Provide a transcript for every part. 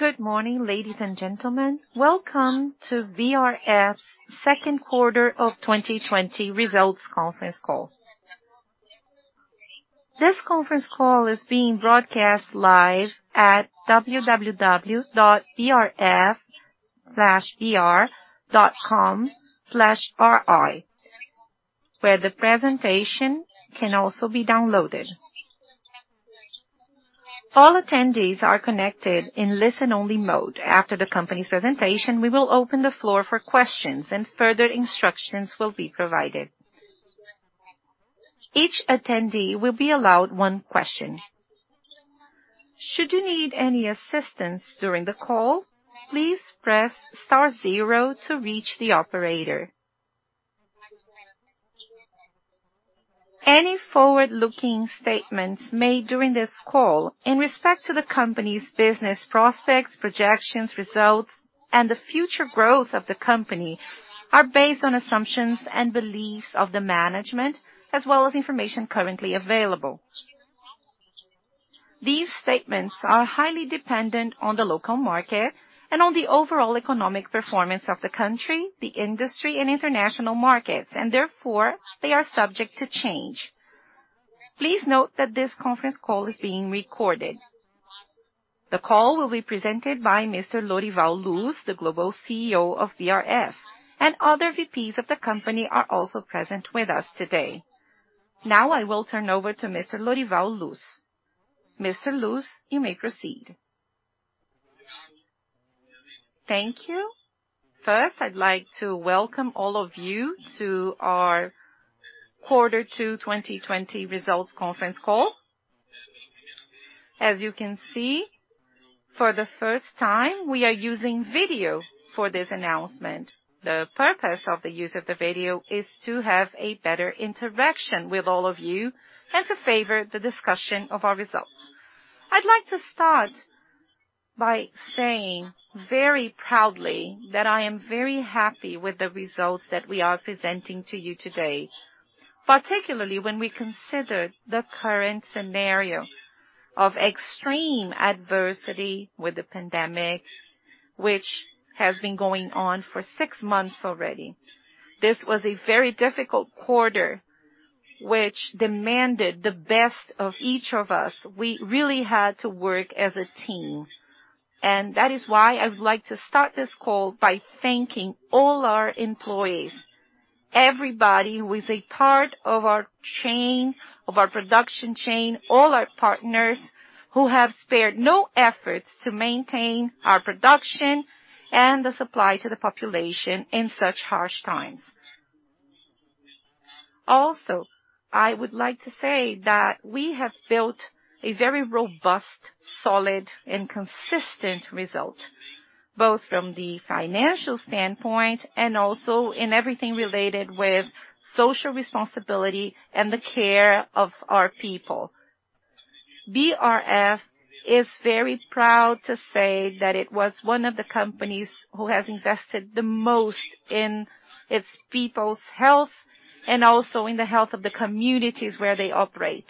Good morning, ladies and gentlemen. Welcome to BRF's second quarter of 2020 results conference call. This conference call is being broadcast live at www.brf-br.com/ri, where the presentation can also be downloaded. All attendees are connected in listen-only mode. After the company's presentation, we will open the floor for questions and further instructions will be provided. Each attendee will be allowed one question. Should you need any assistance during the call, please press star zero to reach the operator. Any forward-looking statements made during this call in respect to the company's business prospects, projections, results, and the future growth of the company are based on assumptions and beliefs of the management, as well as information currently available. These statements are highly dependent on the local market and on the overall economic performance of the country, the industry, and international markets, and therefore, they are subject to change. Please note that this conference call is being recorded. The call will be presented by Mr. Lorival Luz, the Global CEO of BRF, and other VPs of the company are also present with us today. I will turn over to Mr. Lorival Luz. Mr. Luz, you may proceed. Thank you. I'd like to welcome all of you to our quarter two 2020 results conference call. As you can see, for the first time, we are using video for this announcement. The purpose of the use of the video is to have a better interaction with all of you and to favor the discussion of our results. I'd like to start by saying very proudly that I am very happy with the results that we are presenting to you today, particularly when we consider the current scenario of extreme adversity with the pandemic, which has been going on for six months already. This was a very difficult quarter, which demanded the best of each of us. We really had to work as a team, and that is why I would like to start this call by thanking all our employees. Everybody who is a part of our production chain, all our partners who have spared no efforts to maintain our production and the supply to the population in such harsh times. I would like to say that we have built a very robust, solid, and consistent result, both from the financial standpoint and also in everything related with social responsibility and the care of our people. BRF is very proud to say that it was one of the companies who has invested the most in its people's health and also in the health of the communities where they operate.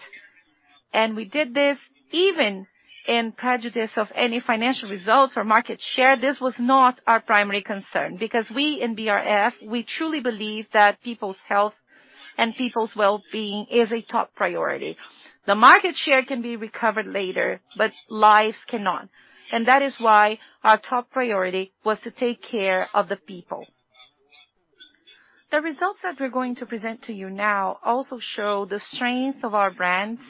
We did this even in prejudice of any financial results or market share. This was not our primary concern because we, in BRF, we truly believe that people's health and people's wellbeing is a top priority. The market share can be recovered later, but lives cannot. That is why our top priority was to take care of the people. The results that we're going to present to you now also show the strength of our brands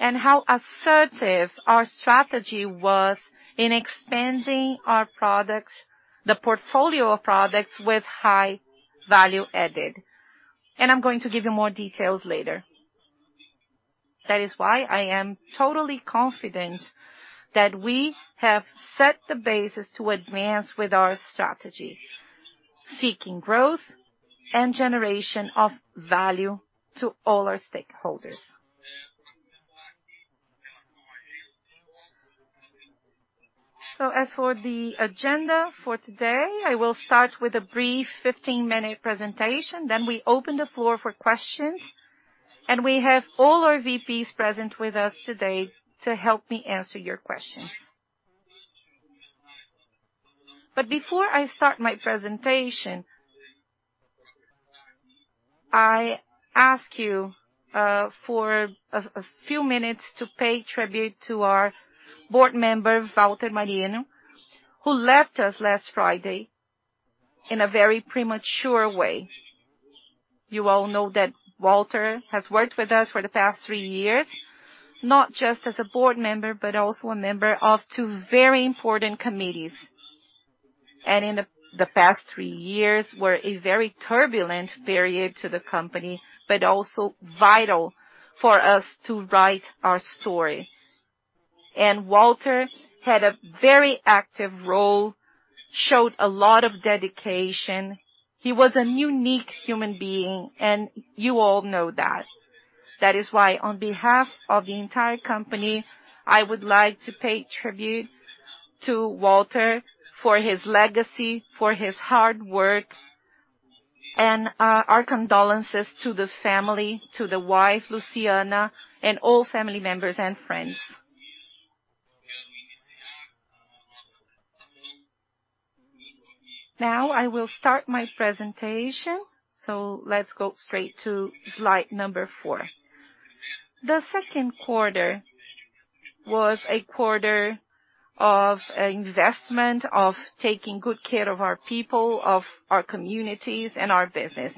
and how assertive our strategy was in expanding our products, the portfolio of products with high value added. I'm going to give you more details later. That is why I am totally confident that we have set the basis to advance with our strategy, seeking growth and generation of value to all our stakeholders. As for the agenda for today, I will start with a brief 15-minute presentation. Then we open the floor for questions, and we have all our VPs present with us today to help me answer your questions. Before I start my presentation, I ask you for a few minutes to pay tribute to our board member, Walter Malieni, who left us last Friday in a very premature way. You all know that Walter has worked with us for the past three years, not just as a board member, but also a member of two very important committees. And in the past three years were a very turbulent period to the company, but also vital for us to write our story. Walter had a very active role, showed a lot of dedication. He was a unique human being, and you all know that. On behalf of the entire company, I would like to pay tribute to Walter for his legacy, for his hard work. Our condolences to the family, to the wife, Luciana, and all family members and friends. I will start my presentation. Let's go straight to slide number four. The second quarter was a quarter of investment, of taking good care of our people, of our communities, and our business.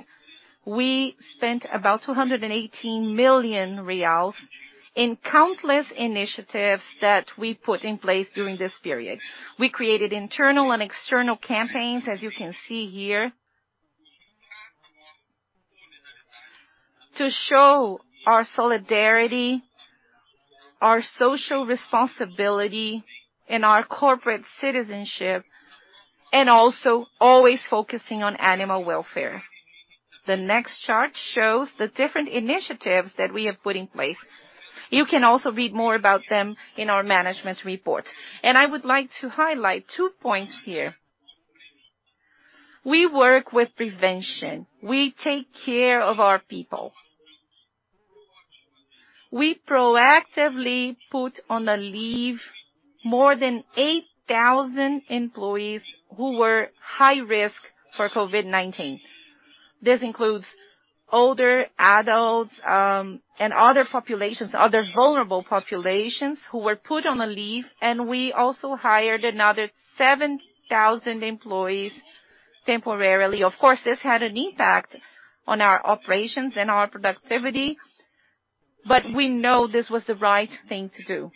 We spent about 218 million reais in countless initiatives that we put in place during this period. We created internal and external campaigns, as you can see here, to show our solidarity, our social responsibility, and our corporate citizenship, and also always focusing on animal welfare. The next chart shows the different initiatives that we have put in place. You can also read more about them in our management report. I would like to highlight two points here. We work with prevention. We take care of our people. We proactively put on a leave more than 8,000 employees who were high risk for COVID-19. This includes older adults, and other vulnerable populations who were put on a leave, and we also hired another 7,000 employees temporarily. Of course, this had an impact on our operations and our productivity. We know this was the right thing to do.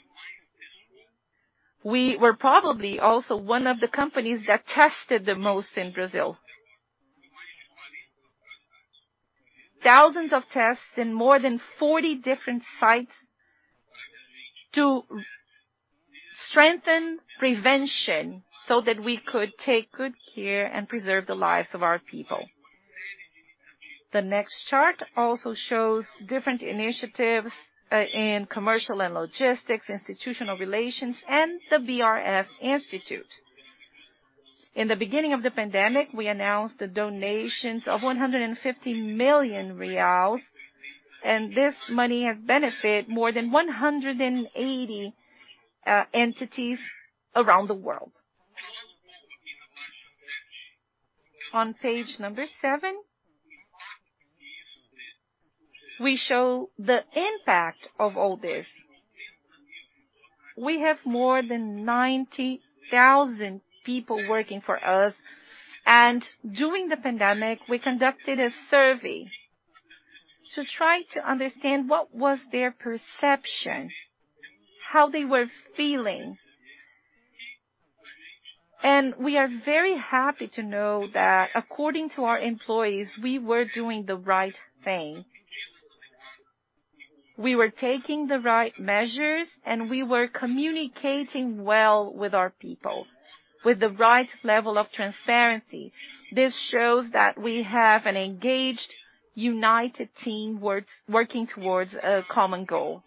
We were probably also one of the companies that tested the most in Brazil. Thousands of tests in more than 40 different sites to strengthen prevention so that we could take good care and preserve the lives of our people. The next chart also shows different initiatives in commercial and logistics, institutional relations, and the BRF Institute. In the beginning of the pandemic, we announced the donations of 150 million reais. This money have benefited more than 180 entities around the world. On page number seven, we show the impact of all this. We have more than 90,000 people working for us. During the pandemic, we conducted a survey to try to understand what was their perception, how they were feeling. We are very happy to know that according to our employees, we were doing the right thing. We were taking the right measures, and we were communicating well with our people with the right level of transparency. This shows that we have an engaged, united team working towards a common goal.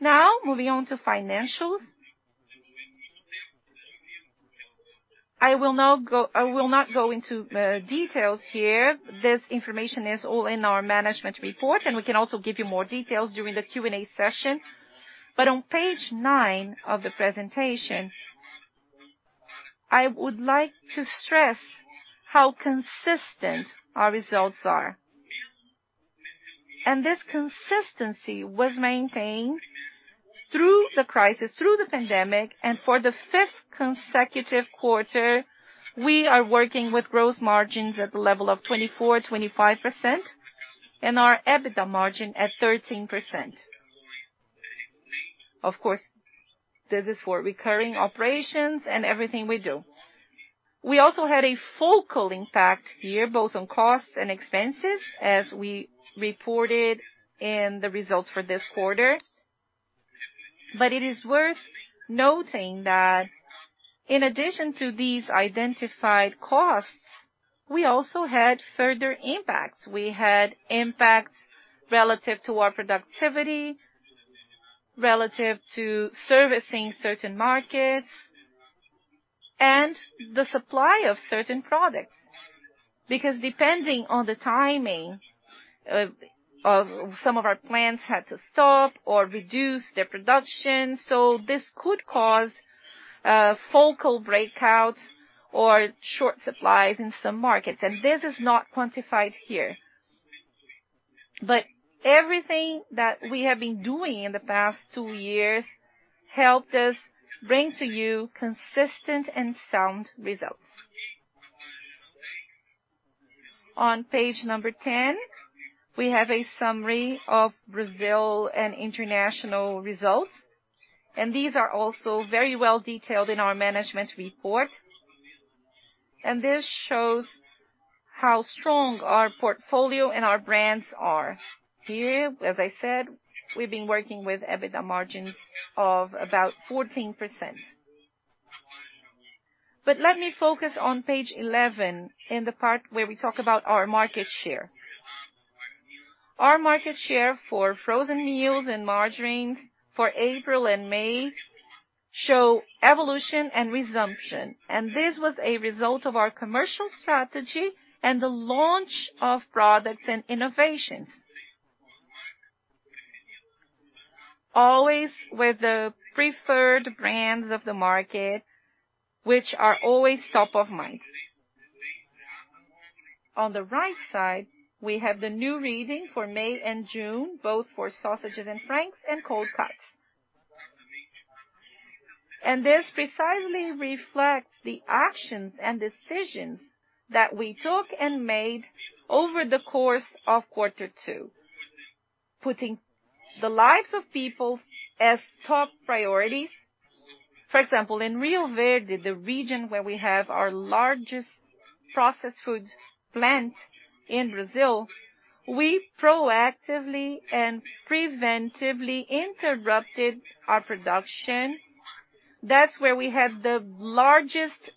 Now, moving on to financials. I will not go into details here. This information is all in our management report, and we can also give you more details during the Q&A session. On page nine of the presentation, I would like to stress how consistent our results are. This consistency was maintained through the crisis, through the pandemic, and for the fifth consecutive quarter, we are working with gross margins at the level of 24%, 25%, and our EBITDA margin at 13%. Of course, this is for recurring operations and everything we do. We also had a focal impact here, both on costs and expenses, as we reported in the results for this quarter. It is worth noting that in addition to these identified costs, we also had further impacts. We had impacts relative to our productivity, relative to servicing certain markets, and the supply of certain products. Depending on the timing of some of our plants had to stop or reduce their production, so this could cause focal breakouts or short supplies in some markets, and this is not quantified here. Everything that we have been doing in the past two years helped us bring to you consistent and sound results. On page number 10, we have a summary of Brazil and international results, and these are also very well detailed in our management report. This shows how strong our portfolio and our brands are. Here, as I said, we've been working with EBITDA margins of about 14%. Let me focus on page 11 in the part where we talk about our market share. Our market share for frozen meals and margarine for April and May show evolution and resumption. This was a result of our commercial strategy and the launch of products and innovations. Always with the preferred brands of the market, which are always top of mind. On the right side, we have the new reading for May and June, both for sausages and franks and cold cuts. This precisely reflects the actions and decisions that we took and made over the course of quarter two, putting the lives of people as top priorities. For example, in Rio Verde, the region where we have our largest processed foods plant in Brazil, we proactively and preventively interrupted our production. That's where we had the largest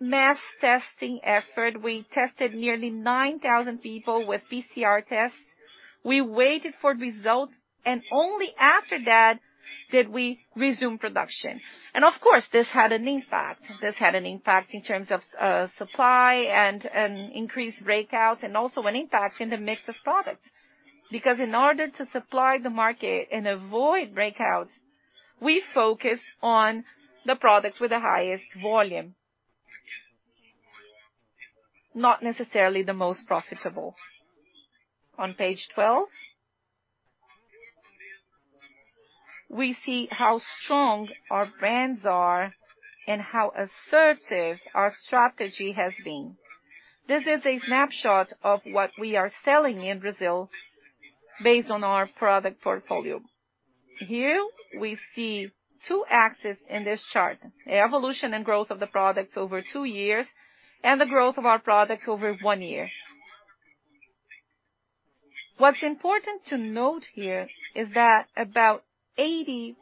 mass testing effort. We tested nearly 9,000 people with PCR tests. We waited for results, and only after that did we resume production. Of course, this had an impact. This had an impact in terms of supply and increased breakouts, and also an impact in the mix of products. Because in order to supply the market and avoid breakouts, we focused on the products with the highest volume, not necessarily the most profitable. On page 12, we see how strong our brands are and how assertive our strategy has been. This is a snapshot of what we are selling in Brazil based on our product portfolio. Here, we see two axes in this chart. Evolution and growth of the products over two years, and the growth of our products over one year. What's important to note here is that about 80%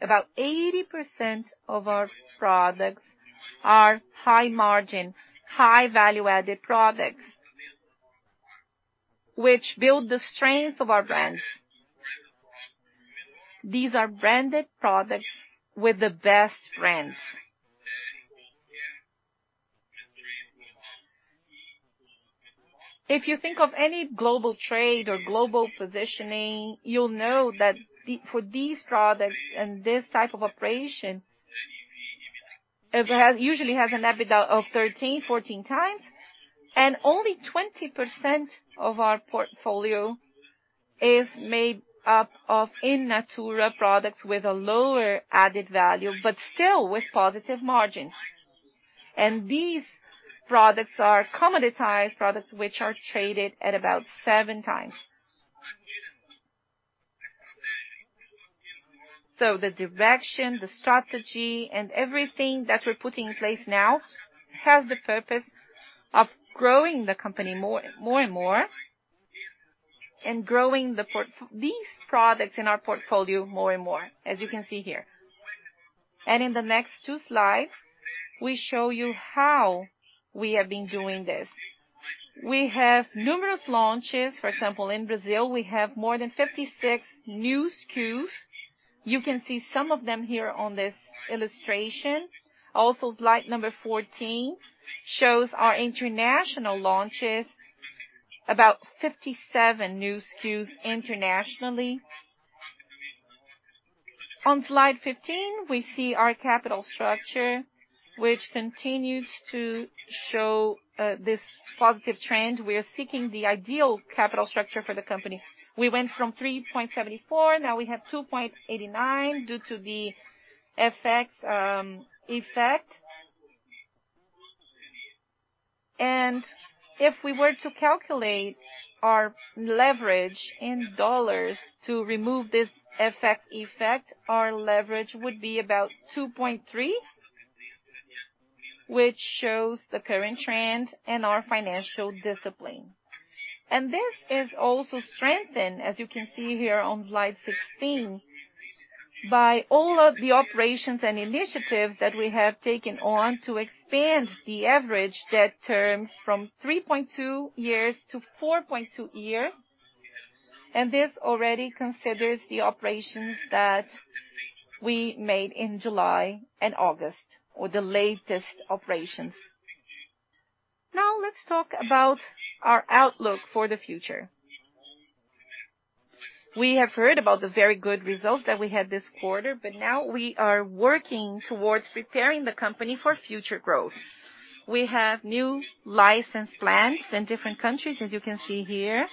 of our products are high margin, high value-added products, which build the strength of our brands. These are branded products with the best brands. If you think of any global trade or global positioning, you'll know that for these products and this type of operation, it usually has an EBITDA of 13, 14 times. Only 20% of our portfolio is made up of in natura products with a lower added value, but still with positive margins. These products are commoditized products which are traded at about seven times. The direction, the strategy, and everything that we're putting in place now has the purpose of growing the company more and more, and growing these products in our portfolio more and more, as you can see here. In the next two slides, we show you how we have been doing this. We have numerous launches. For example, in Brazil, we have more than 56 new SKUs. You can see some of them here on this illustration. Also, slide number 14 shows our international launches, about 57 new SKUs internationally. On slide 15, we see our capital structure, which continues to show this positive trend. We are seeking the ideal capital structure for the company. We went from 3.74, now we have 2.89 due to the FX effect. If we were to calculate our leverage in dollars to remove this FX effect, our leverage would be about 2.3, which shows the current trend and our financial discipline. This is also strengthened, as you can see here on slide 16, by all of the operations and initiatives that we have taken on to expand the average debt term from 3.2-4.2 years. This already considers the operations that we made in July and August, or the latest operations. Let's talk about our outlook for the future. We have heard about the very good results that we had this quarter. Now we are working towards preparing the company for future growth. We have new licensed plants in different countries, as you can see here.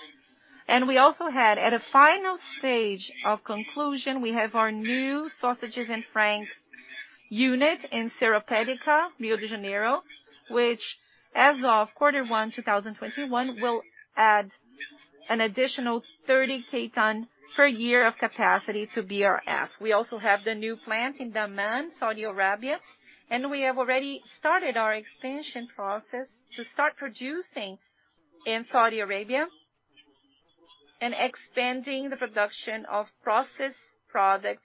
We also had, at a final stage of conclusion, we have our new sausages and franks unit in Seropédica, Rio de Janeiro. Which, as of quarter one 2021, will add an additional 30K tons per year of capacity to BRF. We also have the new plant in Dammam, Saudi Arabia. We have already started our expansion process to start producing in Saudi Arabia. Expanding the production of processed products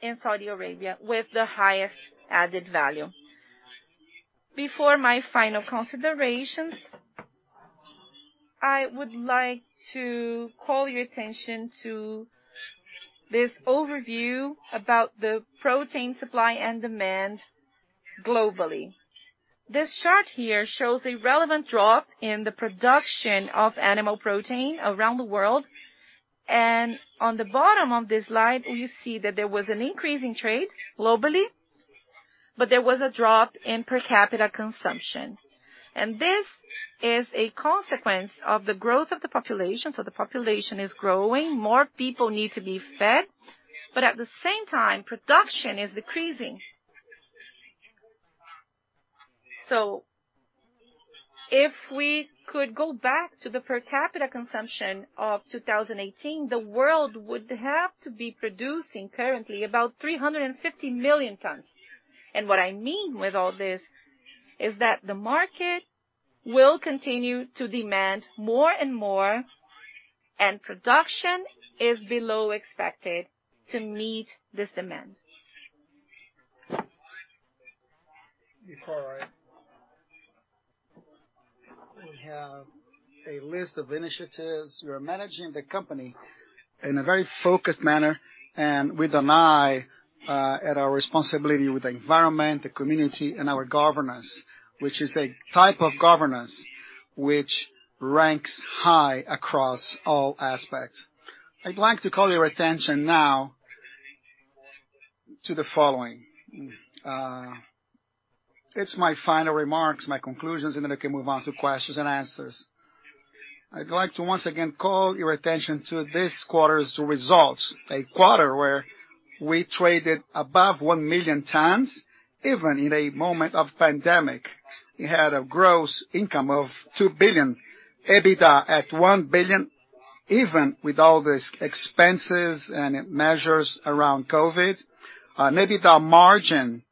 in Saudi Arabia with the highest added value. Before my final considerations, I would like to call your attention to this overview about the protein supply and demand globally. This chart here shows a relevant drop in the production of animal protein around the world. On the bottom of this slide, you see that there was an increase in trade globally, but there was a drop in per capita consumption. This is a consequence of the growth of the population. The population is growing, more people need to be fed, but at the same time, production is decreasing. If we could go back to the per capita consumption of 2018, the world would have to be producing currently about 350 million tons. What I mean with all this is that the market will continue to demand more and more, and production is below expected to meet this demand. We have a list of initiatives. We're managing the company in a very focused manner and with an eye at our responsibility with the environment, the community, and our governance, which is a type of governance which ranks high across all aspects. I'd like to call your attention now to the following. It's my final remarks, my conclusions, and then I can move on to questions and answers. I'd like to once again call your attention to this quarter's results, a quarter where we traded above 1 million tons, even in a moment of pandemic. We had a gross income of 2 billion, EBITDA at 1 billion, even with all these expenses and measures around COVID. An EBITDA margin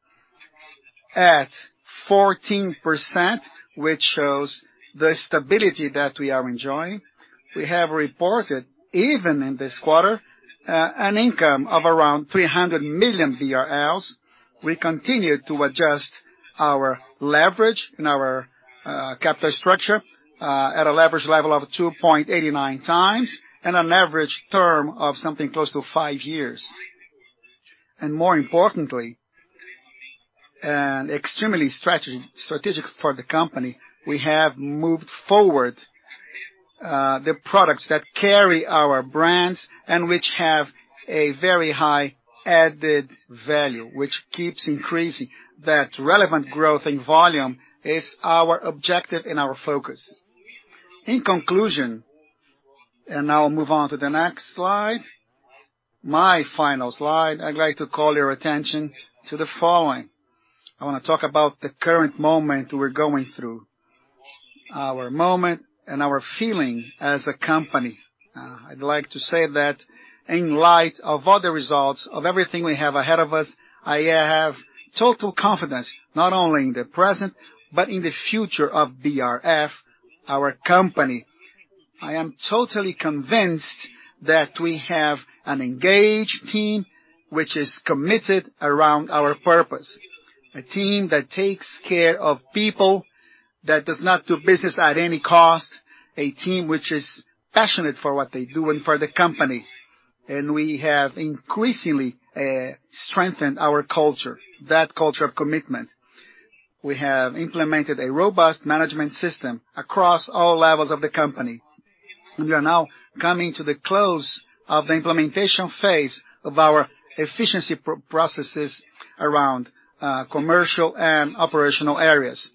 at 14%, which shows the stability that we are enjoying. We have reported, even in this quarter, an income of around 300 million BRL. We continue to adjust our leverage and our capital structure, at a leverage level of 2.89 times and an average term of something close to five years. More importantly, and extremely strategic for the company, we have moved forward the products that carry our brands and which have a very high added value, which keeps increasing. That relevant growth in volume is our objective and our focus. In conclusion, I'll move on to the next slide, my final slide, I'd like to call your attention to the following. I want to talk about the current moment we're going through. Our moment and our feeling as a company. I'd like to say that in light of all the results, of everything we have ahead of us, I have total confidence not only in the present but in the future of BRF, our company. I am totally convinced that we have an engaged team which is committed around our purpose. A team that takes care of people, that does not do business at any cost, a team which is passionate for what they do and for the company. We have increasingly strengthened our culture, that culture of commitment. We have implemented a robust management system across all levels of the company. We are now coming to the close of the implementation phase of our efficiency processes around commercial and operational areas.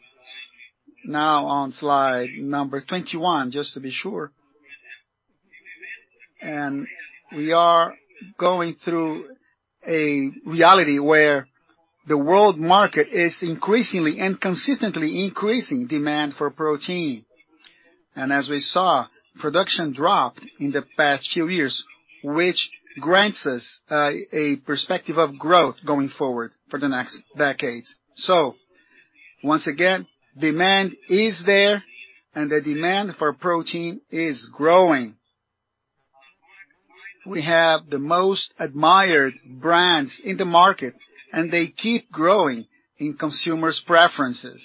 Now on slide number 21, just to be sure. We are going through a reality where the world market is increasingly and consistently increasing demand for protein. As we saw, production dropped in the past few years, which grants us a perspective of growth going forward for the next decades. Once again, demand is there and the demand for protein is growing. We have the most admired brands in the market, and they keep growing in consumers' preferences.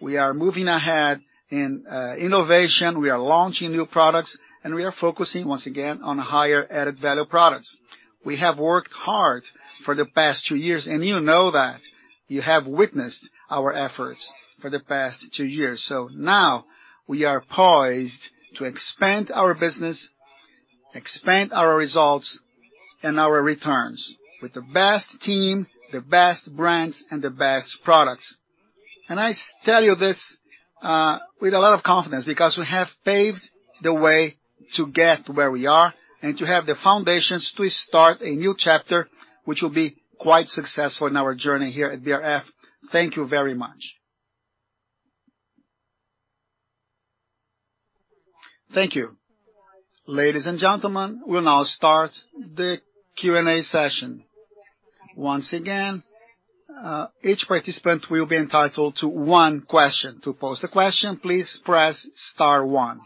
We are moving ahead in innovation. We are launching new products, and we are focusing once again on higher added value products. We have worked hard for the past two years, and you know that. You have witnessed our efforts for the past two years. Now we are poised to expand our business, expand our results and our returns with the best team, the best brands, and the best products. I tell you this with a lot of confidence because we have paved the way to get where we are and to have the foundations to start a new chapter, which will be quite successful in our journey here at BRF. Thank you very much. Thank you. Ladies and gentlemen, we'll now start the Q&A session. Once again, each participant will be entitled to one question. To pose a question, please press star one.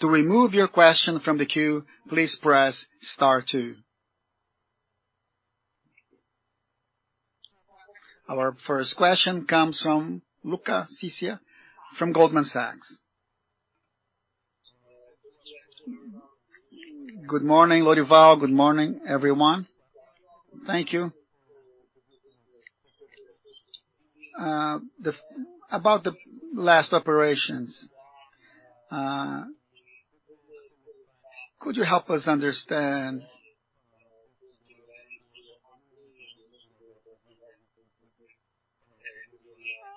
To remove your question from the queue, please press star two. Our first question comes from Luca Cipiccia from Goldman Sachs. Good morning, Lorival. Good morning, everyone. Thank you. About the last operations, could you help us understand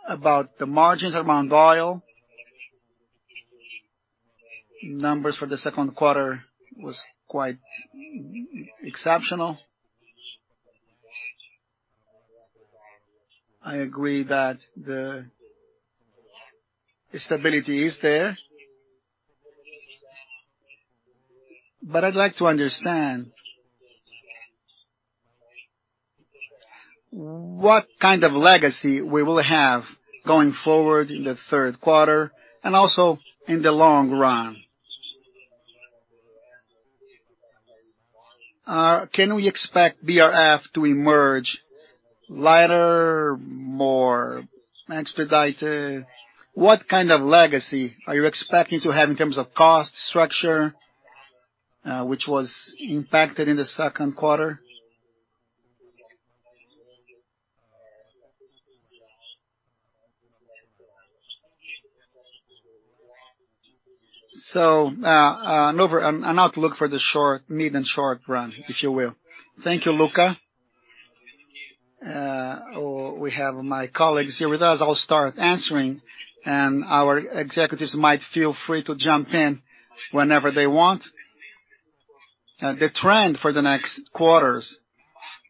about the margins around oil? Numbers for the second quarter was quite exceptional. I agree that the stability is there. I'd like to understand what kind of legacy we will have going forward in the third quarter, and also in the long run. Can we expect BRF to emerge lighter, more expedited? What kind of legacy are you expecting to have in terms of cost structure, which was impacted in the second quarter? An outlook for the medium short run, if you will. Thank you, Luca. We have my colleagues here with us. I'll start answering, and our executives might feel free to jump in whenever they want. The trend for the next quarters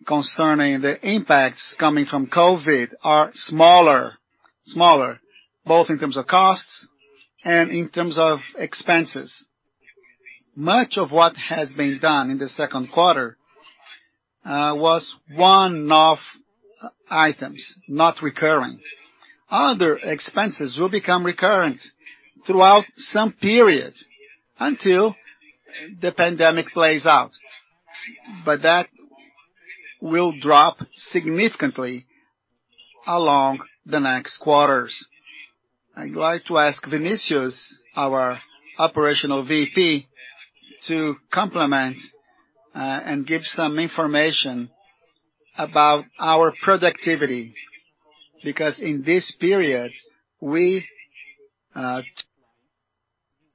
concerning the impacts coming from COVID are smaller. Both in terms of costs and in terms of expenses. Much of what has been done in the second quarter was one-off items, not recurring. Other expenses will become recurring throughout some period until the pandemic plays out. That will drop significantly along the next quarters. I'd like to ask Vinicius, our operational VP, to complement and give some information about our productivity, because in this period, we took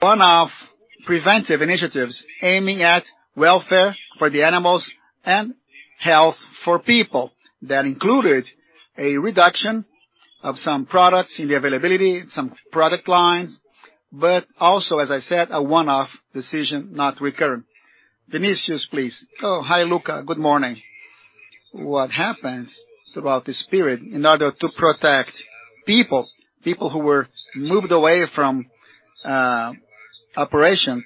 one-off preventive initiatives aiming at welfare for the animals and health for people. That included a reduction of some products in the availability, some product lines, but also, as I said, a one-off decision, not recurring. Vinicius, please. Oh, hi, Luca. Good morning. What happened throughout this period, in order to protect people who were moved away from operation,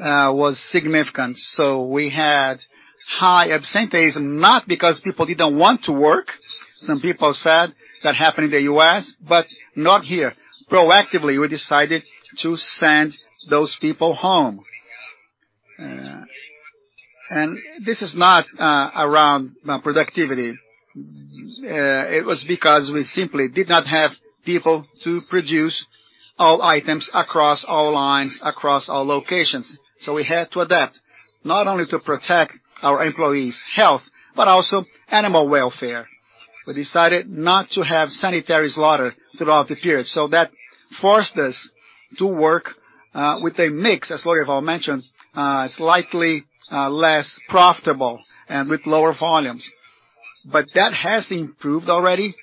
was significant. We had high absenteeism, not because people didn't want to work, some people said that happened in the U.S., but not here. Proactively, we decided to send those people home. This is not around productivity. It was because we simply did not have people to produce all items across all lines, across all locations. We had to adapt, not only to protect our employees' health, but also animal welfare. We decided not to have sanitary slaughter throughout the period. That forced us to work with a mix, as Lorival mentioned, slightly less profitable and with lower volumes. That has improved already.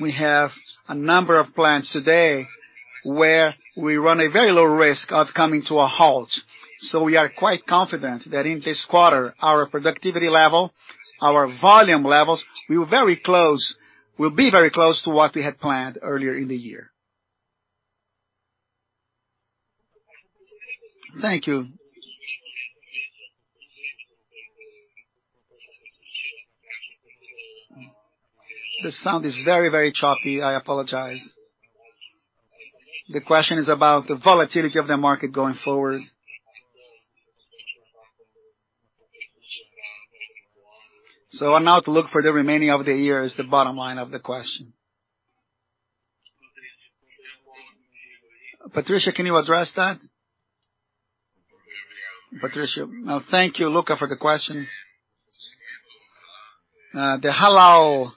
We have a number of plants today where we run a very low risk of coming to a halt. We are quite confident that in this quarter, our productivity level, our volume levels will be very close to what we had planned earlier in the year. Thank you. The sound is very, very choppy. I apologize. The question is about the volatility of the market going forward. An outlook for the remaining of the year is the bottom line of the question. Patricio, can you address that? Patricio. Thank you, Luca, for the question. The halal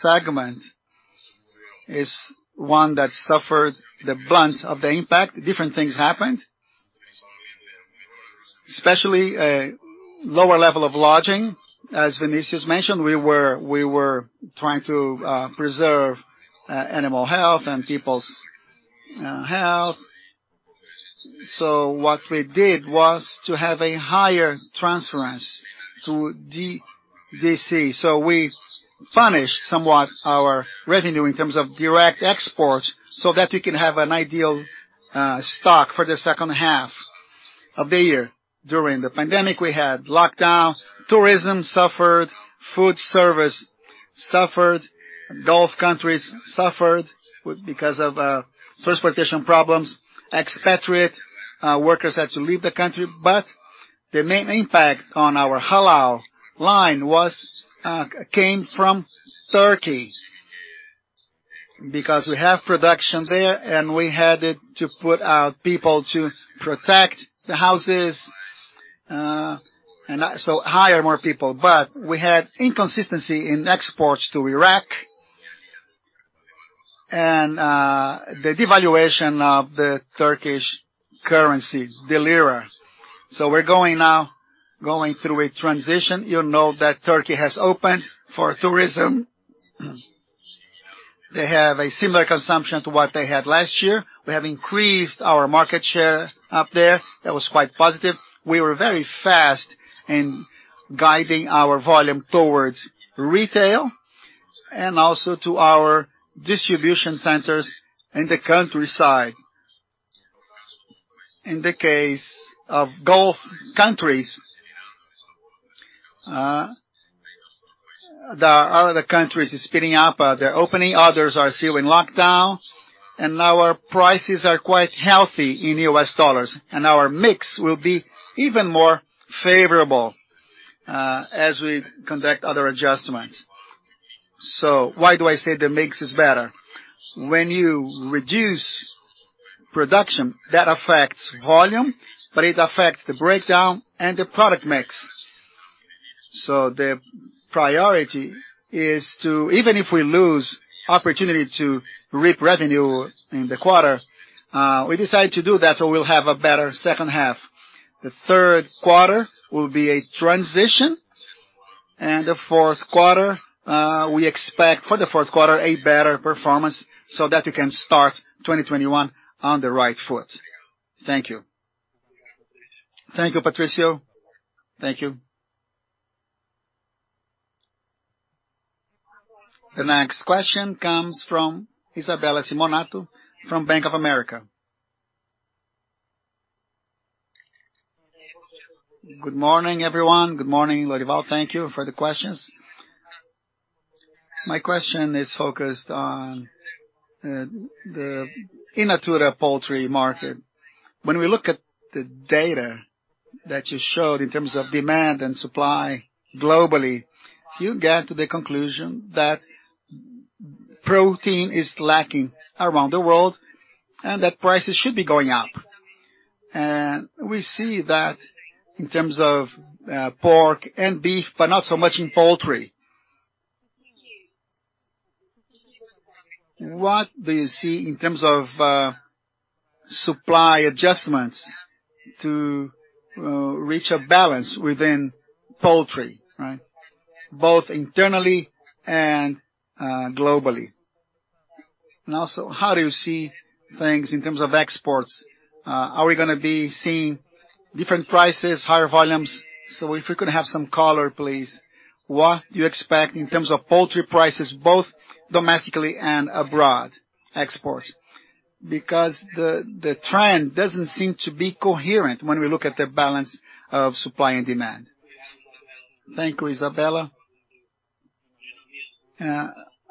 segment is one that suffered the brunt of the impact. Different things happened, especially a lower level of housing. As Vinicius mentioned, we were trying to preserve animal health and people's health. What we did was to have a higher transference to D.C. We punished somewhat our revenue in terms of direct export so that we can have an ideal stock for the second half of the year. During the pandemic, we had lockdown, tourism suffered, food service suffered. Gulf countries suffered because of transportation problems. Expatriate workers had to leave the country. The main impact on our halal line came from Turkey because we have production there and we had to put out people to protect the housing, and hire more people. We had inconsistency in exports to Iraq and the devaluation of the Turkish currency, the lira. We're going now through a transition. You know that Turkey has opened for tourism. They have a similar consumption to what they had last year. We have increased our market share up there. That was quite positive. We were very fast in guiding our volume towards retail and also to our distribution centers in the countryside. In the case of Gulf countries, there are other countries speeding up their opening, others are still in lockdown, and our prices are quite healthy in US dollars, and our mix will be even more favorable as we conduct other adjustments. Why do I say the mix is better? When you reduce production, that affects volume, but it affects the breakdown and the product mix. The priority is to, even if we lose opportunity to reap revenue in the quarter, we decide to do that so we'll have a better second half. The third quarter will be a transition, and the fourth quarter, we expect for the fourth quarter a better performance so that we can start 2021 on the right foot. Thank you. Thank you, Patricio. Thank you. The next question comes from Isabella Simonato from Bank of America. Good morning, everyone. Good morning, Lorival. Thank you for the questions. My question is focused on the in natura poultry market. When we look at the data that you showed in terms of demand and supply globally, you get to the conclusion that protein is lacking around the world and that prices should be going up. We see that in terms of pork and beef, but not so much in poultry. What do you see in terms of supply adjustments to reach a balance within poultry, both internally and globally? Also, how do you see things in terms of exports? Are we going to be seeing different prices, higher volumes? If we could have some color, please, what you expect in terms of poultry prices, both domestically and abroad exports? The trend doesn't seem to be coherent when we look at the balance of supply and demand. Thank you, Isabella.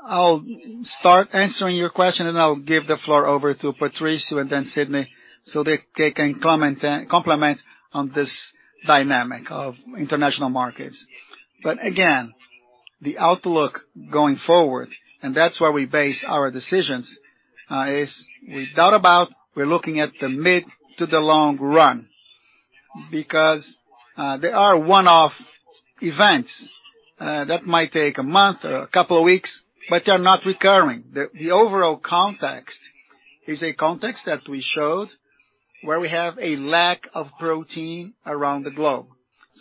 I'll start answering your question, and I'll give the floor over to Patricio and then Sidney so they can complement on this dynamic of international markets. Again, the outlook going forward, and that's where we base our decisions, is we thought about we're looking at the mid to the long run because they are one-off events that might take a month or a couple of weeks, but they're not recurring. The overall context is a context that we showed where we have a lack of protein around the globe.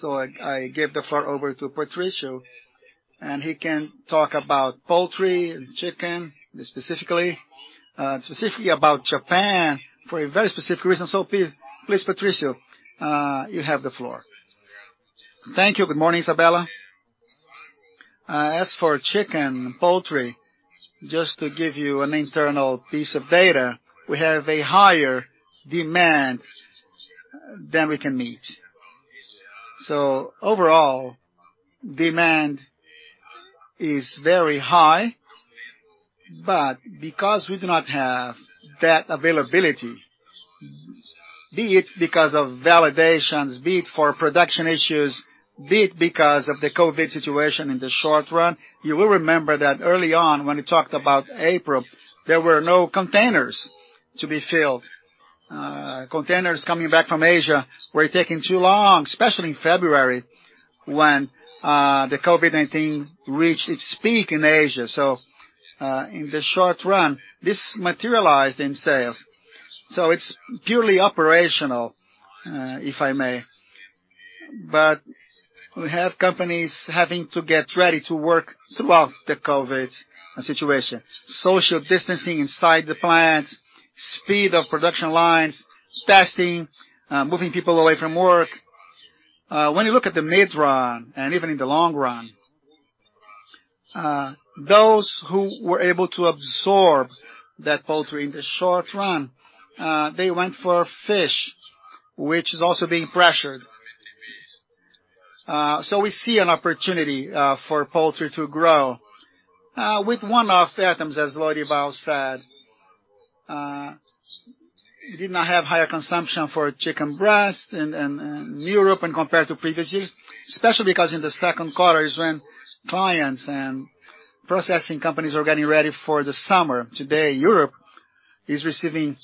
I give the floor over to Patricio, and he can talk about poultry and chicken specifically about Japan for a very specific reason. Please, Patricio, you have the floor. Thank you. Good morning, Isabella. As for chicken and poultry, just to give you an internal piece of data, we have a higher demand than we can meet. Overall, demand is very high, but because we do not have that availability, be it because of validations, be it for production issues, be it because of the COVID situation in the short run, you will remember that early on when we talked about April, there were no containers to be filled. Containers coming back from Asia were taking too long, especially in February, when the COVID-19 reached its peak in Asia. In the short run, this materialized in sales. It's purely operational, if I may. We have companies having to get ready to work throughout the COVID situation. Social distancing inside the plant, speed of production lines, testing, moving people away from work. When you look at the mid-run and even in the long run, those who were able to absorb that poultry in the short run, they went for fish, which is also being pressured. We see an opportunity for poultry to grow. With one-off items, as Lorival said, did not have higher consumption for chicken breast in Europe when compared to previous years, especially because in the second quarter is when clients and processing companies are getting ready for the summer. Today, Europe is receiving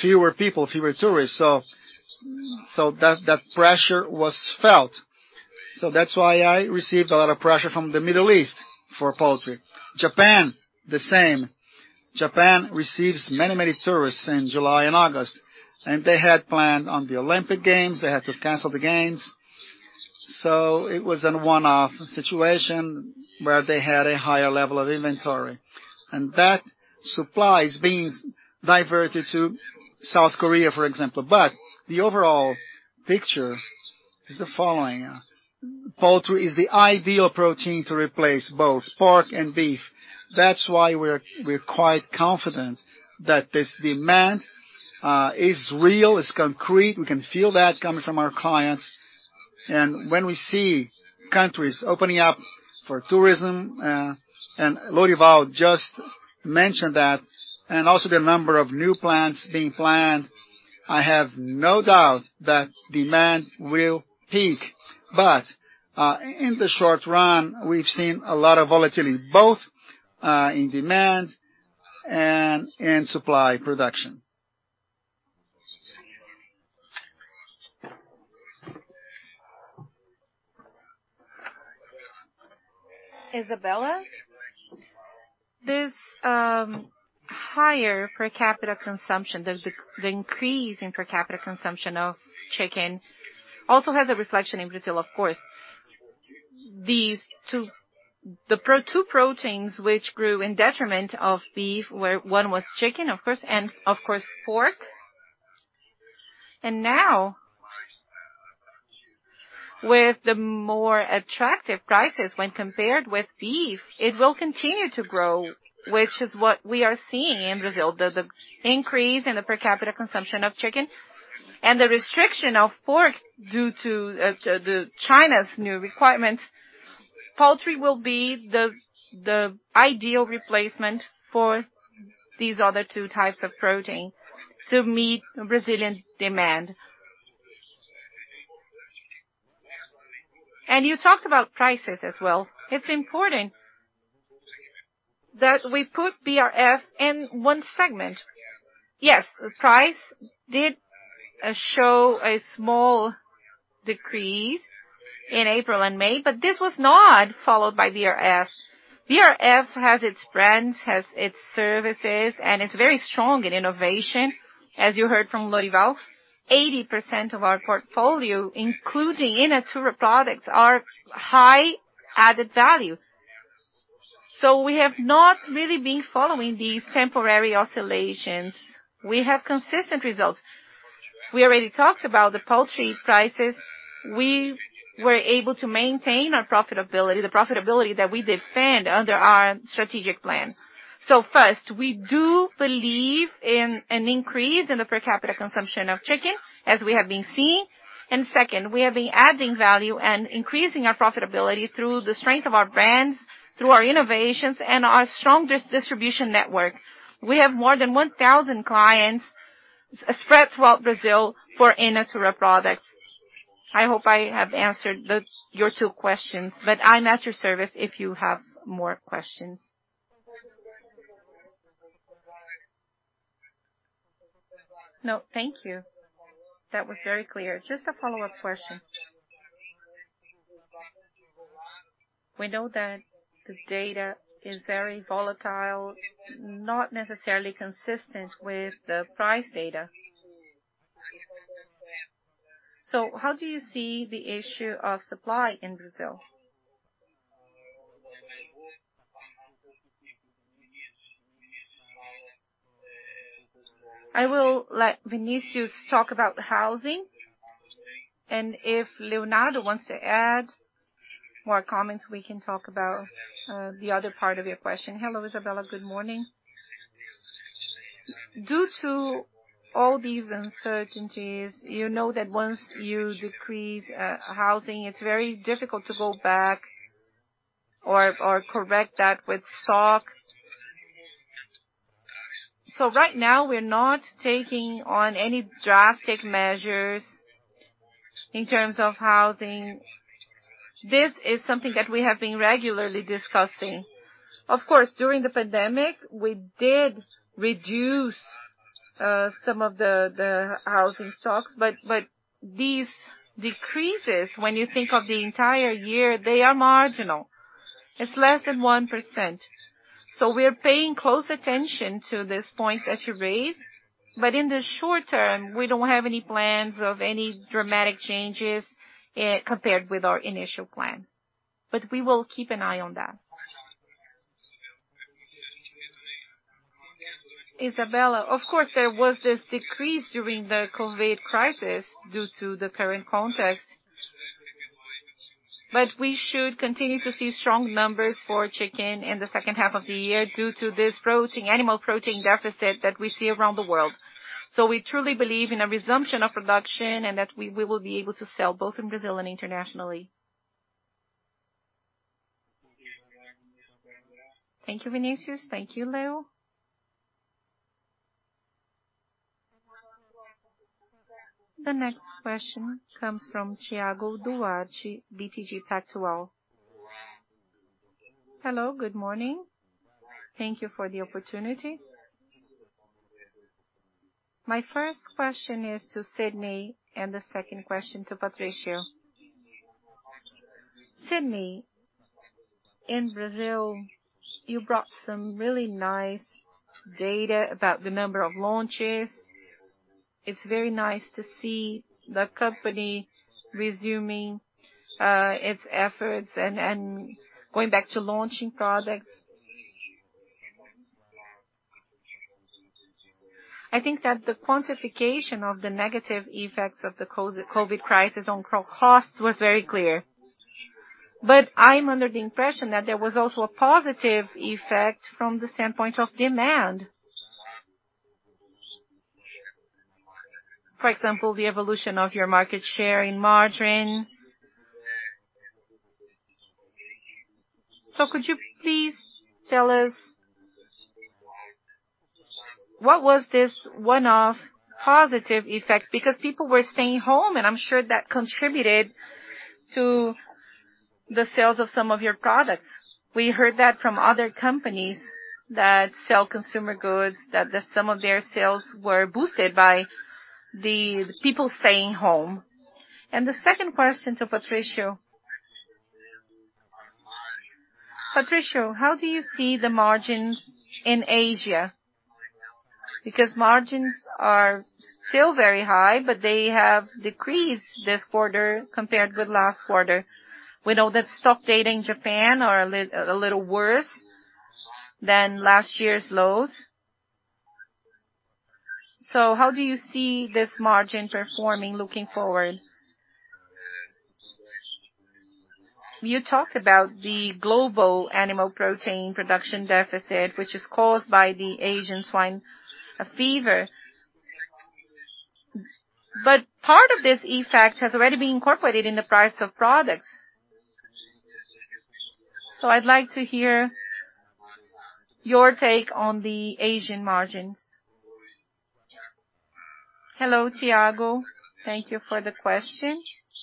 fewer people, fewer tourists. That pressure was felt. That's why I received a lot of pressure from the Middle East for poultry. Japan, the same. Japan receives many tourists in July and August, and they had planned on the Olympic Games. They had to cancel the games. It was an one-off situation where they had a higher level of inventory, and that supply is being diverted to South Korea, for example. The overall picture is the following. Poultry is the ideal protein to replace both pork and beef. That's why we're quite confident that this demand is real, is concrete. We can feel that coming from our clients. When we see countries opening up for tourism, and Lorival just mentioned that, and also the number of new plants being planned, I have no doubt that demand will peak. In the short run, we've seen a lot of volatility, both in demand and in supply production. Isabella. This higher per capita consumption, the increase in per capita consumption of chicken also has a reflection in Brazil, of course. The two proteins which grew in detriment of beef, where one was chicken, of course, and, of course, pork. Now, with the more attractive prices when compared with beef, it will continue to grow, which is what we are seeing in Brazil. The increase in the per capita consumption of chicken and the restriction of pork due to China's new requirement, poultry will be the ideal replacement for these other two types of protein to meet Brazilian demand. You talked about prices as well. It's important that we put BRF in one segment. Yes, price did show a small decrease in April and May, but this was not followed by BRF. BRF has its brands, has its services, and it's very strong in innovation. As you heard from Lorival, 80% of our portfolio, including in natura products, are high added value. We have not really been following these temporary oscillations. We have consistent results. We already talked about the poultry prices. We were able to maintain our profitability, the profitability that we defend under our strategic plan. First, we do believe in an increase in the per capita consumption of chicken, as we have been seeing. Second, we have been adding value and increasing our profitability through the strength of our brands, through our innovations, and our strong distribution network. We have more than 1,000 clients spread throughout Brazil for in natura products. I hope I have answered your two questions, but I'm at your service if you have more questions. No, thank you. That was very clear. Just a follow-up question. We know that the data is very volatile, not necessarily consistent with the price data. How do you see the issue of supply in Brazil? I will let Vinicius talk about housing, and if Leonardo wants to add more comments, we can talk about the other part of your question. Hello, Isabella. Good morning. Due to all these uncertainties, you know that once you decrease housing, it's very difficult to go back or correct that with stock. Right now we're not taking on any drastic measures in terms of housing. This is something that we have been regularly discussing. Of course, during the pandemic, we did reduce some of the housing stocks, but these decreases, when you think of the entire year, they are marginal. It's less than 1%. We are paying close attention to this point that you raised. In the short term, we don't have any plans of any dramatic changes compared with our initial plan. We will keep an eye on that. Isabella, of course, there was this decrease during the COVID crisis due to the current context. We should continue to see strong numbers for chicken in the second half of the year due to this animal protein deficit that we see around the world. We truly believe in a resumption of production and that we will be able to sell both in Brazil and internationally. Thank you, Vinicius. Thank you, Leo. The next question comes from Thiago Duarte, BTG Pactual. Hello. Good morning. Thank you for the opportunity. My first question is to Sidney and the second question to Patricio. Sidney, in Brazil, you brought some really nice data about the number of launches. It's very nice to see the company resuming its efforts and going back to launching products. I'm under the impression that there was also a positive effect from the standpoint of demand. For example, the evolution of your market share in margarine. Could you please tell us what was this one-off positive effect? Because people were staying home, and I'm sure that contributed to the sales of some of your products. We heard that from other companies that sell consumer goods, that some of their sales were boosted by the people staying home. The second question to Patricio. Patricio, how do you see the margins in Asia? Because margins are still very high, but they have decreased this quarter compared with last quarter. We know that stock data in Japan are a little worse than last year's lows. How do you see this margin performing looking forward? You talked about the global animal protein production deficit, which is caused by the African swine fever. Part of this effect has already been incorporated in the price of products. I'd like to hear your take on the Asian margins. Hello, Thiago. Thank you for the question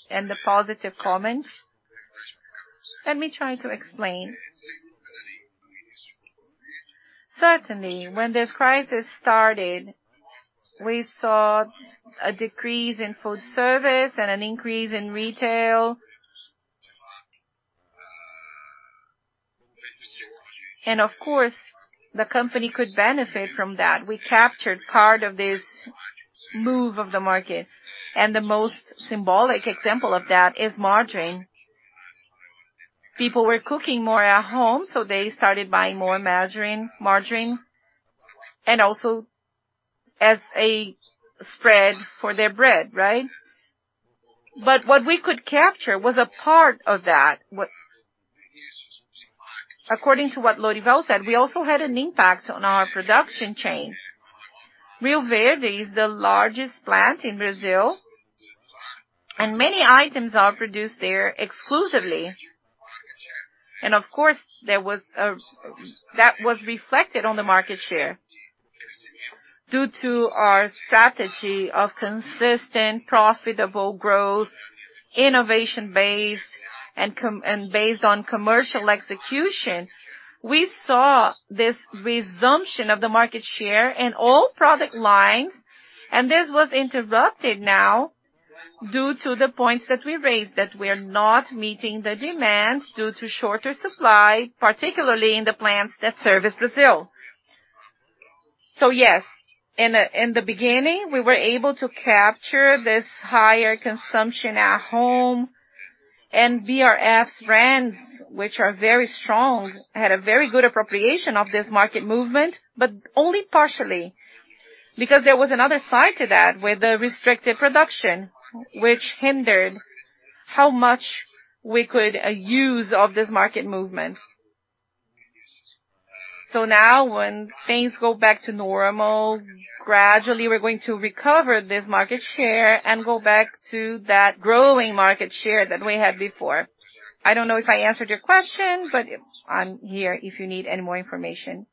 and the positive comments. Let me try to explain. Certainly, when this crisis started, we saw a decrease in food service and an increase in retail. Of course, the company could benefit from that. We captured part of this move of the market, and the most symbolic example of that is margarine. People were cooking more at home, so they started buying more margarine, and also as a spread for their bread, right? What we could capture was a part of that. According to what Lorival said, we also had an impact on our production chain. Rio Verde is the largest plant in Brazil. Many items are produced there exclusively. Of course, that was reflected on the market share. Due to our strategy of consistent, profitable growth, innovation-based, and based on commercial execution, we saw this resumption of the market share in all product lines. This was interrupted now due to the points that we raised, that we're not meeting the demands due to shorter supply, particularly in the plants that service Brazil. Yes, in the beginning, we were able to capture this higher consumption at home, and BRF's brands, which are very strong, had a very good appropriation of this market movement, but only partially, because there was another side to that with the restricted production, which hindered how much we could use of this market movement. Now, when things go back to normal, gradually, we're going to recover this market share and go back to that growing market share that we had before. I don't know if I answered your question, but I'm here if you need any more information.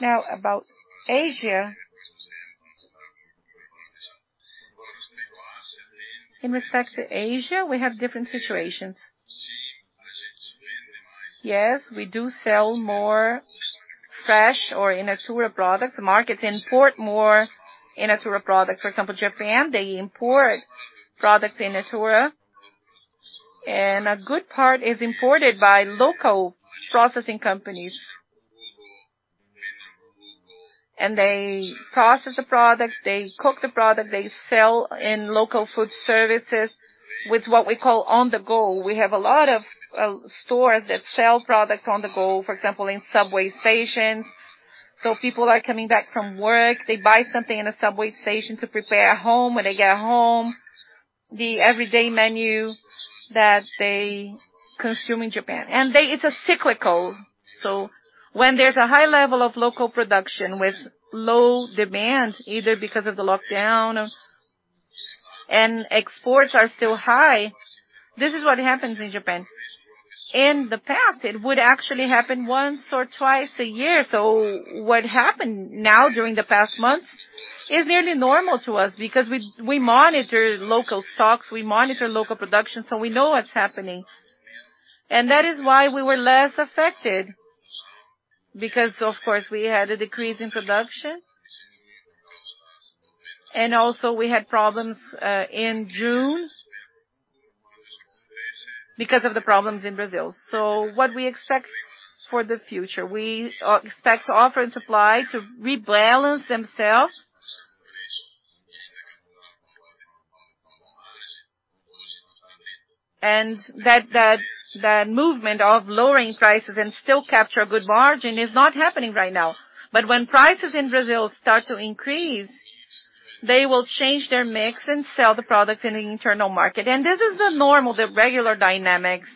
Now, about Asia. In respect to Asia, we have different situations. Yes, we do sell more fresh or in natura products. Markets import more in natura products. For example, Japan, they import products in natura, and a good part is imported by local processing companies. They process the product, they cook the product, they sell in local food service with what we call on the go. We have a lot of stores that sell products on the go, for example, in subway stations. People are coming back from work, they buy something in a subway station to prepare at home when they get home. The everyday menu that they consume in Japan. It's cyclical, so when there's a high level of local production with low demand, either because of the lockdown and exports are still high, this is what happens in Japan. In the past, it would actually happen once or twice a year. What happened now during the past months is nearly normal to us because we monitor local stocks, we monitor local production, so we know what's happening. That is why we were less affected because, of course, we had a decrease in production. Also, we had problems in June because of the problems in Brazil. What we expect for the future, we expect offer and supply to rebalance themselves. That movement of lowering prices and still capture a good margin is not happening right now. When prices in Brazil start to increase, they will change their mix and sell the products in the internal market. This is the normal, the regular dynamics.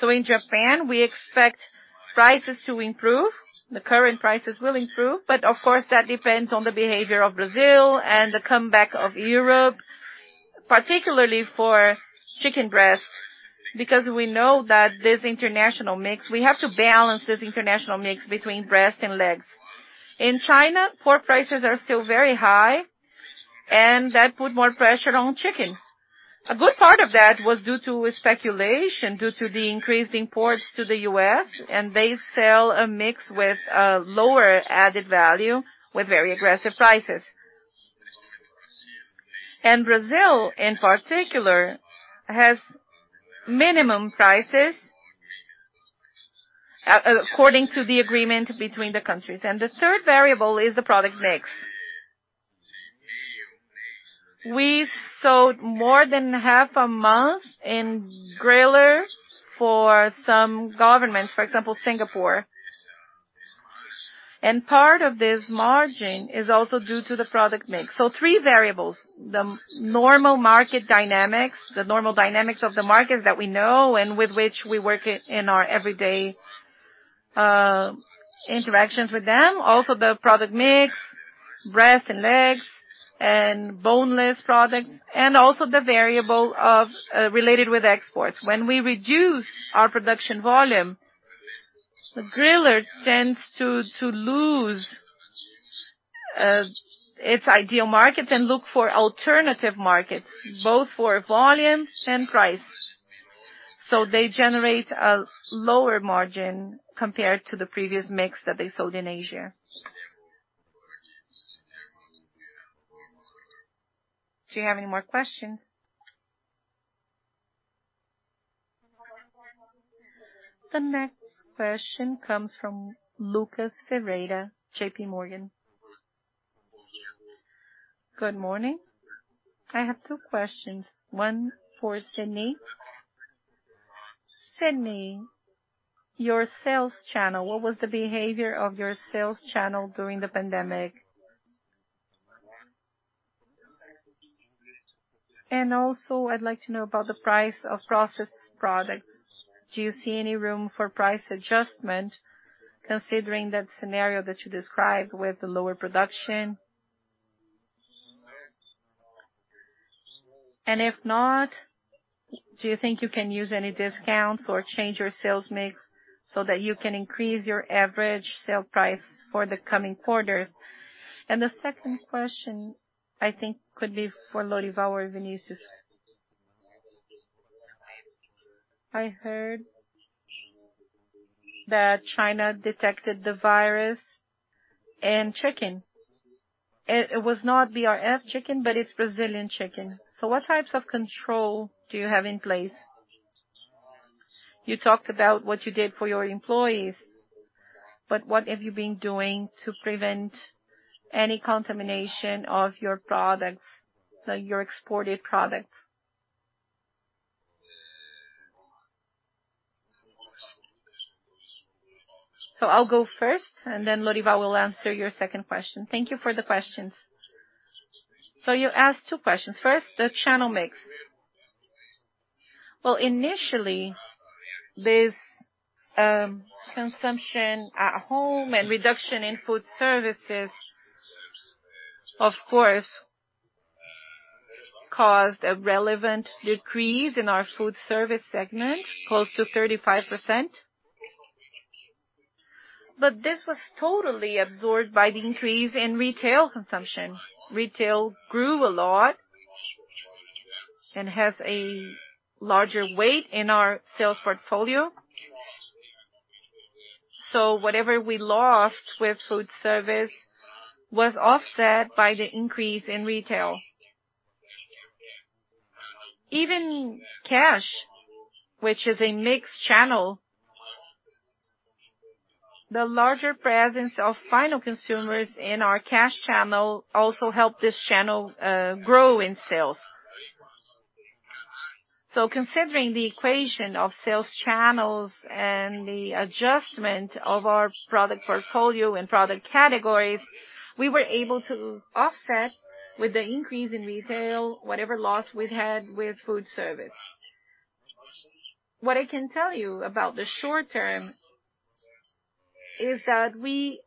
In Japan, we expect prices to improve. The current prices will improve, but of course, that depends on the behavior of Brazil and the comeback of Europe, particularly for chicken breast, because we know that this international mix, we have to balance this international mix between breast and legs. In China, pork prices are still very high, that put more pressure on chicken. A good part of that was due to speculation, due to the increased imports to the U.S., and they sell a mix with a lower added value with very aggressive prices. Brazil, in particular, has minimum prices according to the agreement between the countries. The third variable is the product mix. We've sold more than half a month in griller for some governments, for example, Singapore. Part of this margin is also due to the product mix. Three variables, the normal market dynamics, the normal dynamics of the markets that we know and with which we work in our everyday interactions with them. Also, the product mix, breast and legs and boneless product, and also the variable related with exports. When we reduce our production volume, the griller tends to lose its ideal market and look for alternative markets, both for volume and price. They generate a lower margin compared to the previous mix that they sold in Asia. Do you have any more questions? The next question comes from Lucas Ferreira, JPMorgan. Good morning. I have two questions. One for Sidney. Sidney, your sales channel, what was the behavior of your sales channel during the pandemic? Also, I'd like to know about the price of processed products. Do you see any room for price adjustment considering that scenario that you described with the lower production? If not, do you think you can use any discounts or change your sales mix so that you can increase your average sale price for the coming quarters? The second question, I think could be for Lorival or Vinicius. I heard that China detected the virus in chicken. It was not BRF chicken, but it's Brazilian chicken. What types of control do you have in place? You talked about what you did for your employees, but what have you been doing to prevent any contamination of your products, your exported products? I'll go first, and then Lorival will answer your second question. Thank you for the questions. You asked two questions. First, the channel mix. Well, initially, this consumption at home and reduction in food service, of course, caused a relevant decrease in our food service segment, close to 35%. This was totally absorbed by the increase in retail consumption. Retail grew a lot and has a larger weight in our sales portfolio. Whatever we lost with food service was offset by the increase in retail. Even cash, which is a mixed channel. The larger presence of final consumers in our cash channel also helped this channel grow in sales. Considering the equation of sales channels and the adjustment of our product portfolio and product categories, we were able to offset with the increase in retail, whatever loss we'd had with food service. What I can tell you about the short term is that we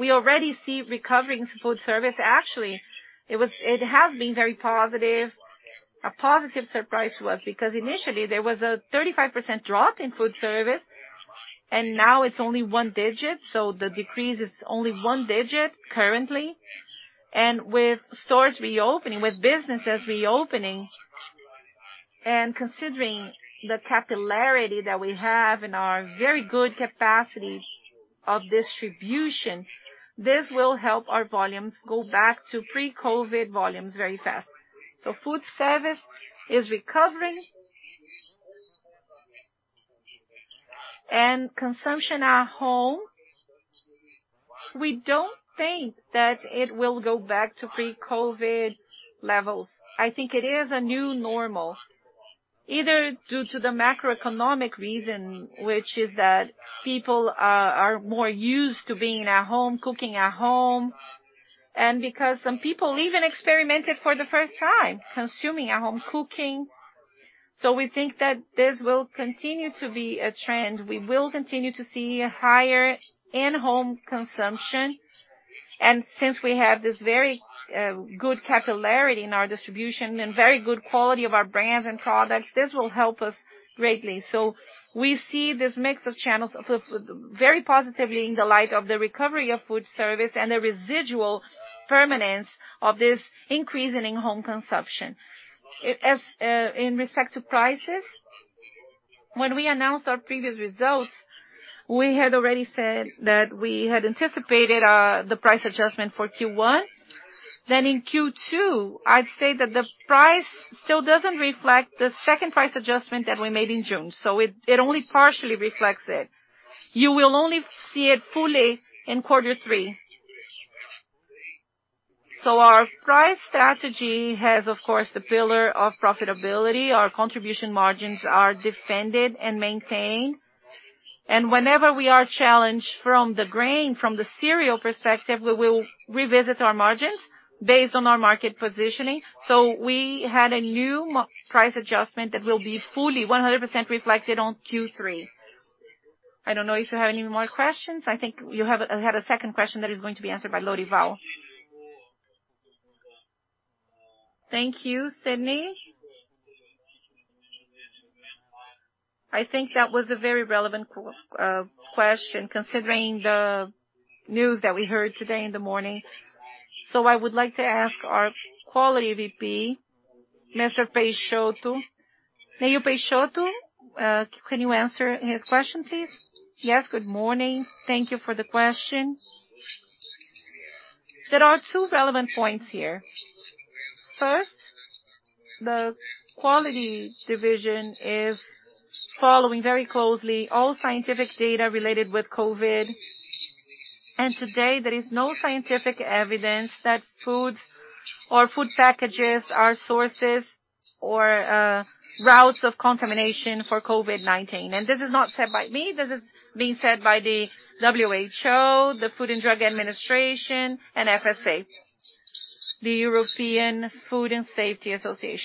already see recovering food service. Actually, it has been very positive. A positive surprise to us, because initially there was a 35% drop in food service, and now it's only one digit. The decrease is only one digit currently. With stores reopening, with businesses reopening, and considering the capillarity that we have and our very good capacity of distribution, this will help our volumes go back to pre-COVID volumes very fast. Food service is recovering. Consumption at home, we don't think that it will go back to pre-COVID levels. I think it is a new normal, either due to the macroeconomic reason, which is that people are more used to being at home, cooking at home, and because some people even experimented for the first time, consuming at home, cooking. We think that this will continue to be a trend. We will continue to see a higher in-home consumption. Since we have this very good capillarity in our distribution and very good quality of our brands and products, this will help us greatly. We see this mix of channels very positively in the light of the recovery of food service and the residual permanence of this increase in in-home consumption. In respect to prices, when we announced our previous results, we had already said that we had anticipated the price adjustment for Q1. In Q2, I'd say that the price still doesn't reflect the second price adjustment that we made in June. It only partially reflects it. You will only see it fully in quarter three. Our price strategy has, of course, the pillar of profitability. Our contribution margins are defended and maintained. Whenever we are challenged from the grain, from the cereal perspective, we will revisit our margins based on our market positioning. We had a new price adjustment that will be fully 100% reflected on Q3. I don't know if you have any more questions. I think you had a second question that is going to be answered by Lorival. Thank you, Sidney. I think that was a very relevant question considering the news that we heard today in the morning. I would like to ask our Quality VP, Mr. Peixoto. Mr. Peixoto, can you answer his question, please? Yes, good morning. Thank you for the question. There are two relevant points here. First, the quality division is following very closely all scientific data related with COVID. Today, there is no scientific evidence that foods or food packages are sources or routes of contamination for COVID-19. This is not said by me, this is being said by the WHO, the Food and Drug Administration, and EFSA, the European Food Safety Authority.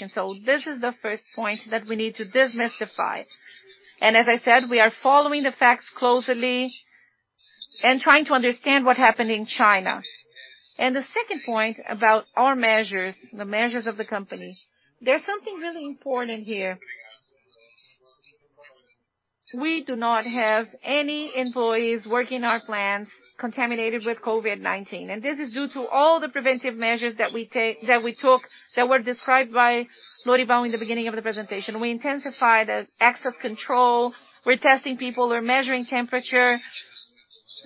This is the first point that we need to demystify. As I said, we are following the facts closely and trying to understand what happened in China. The second point about our measures, the measures of the company, there's something really important here. We do not have any employees working in our plants contaminated with COVID-19. This is due to all the preventive measures that we took that were described by Lorival in the beginning of the presentation. We intensified access control. We're testing people. We're measuring temperature.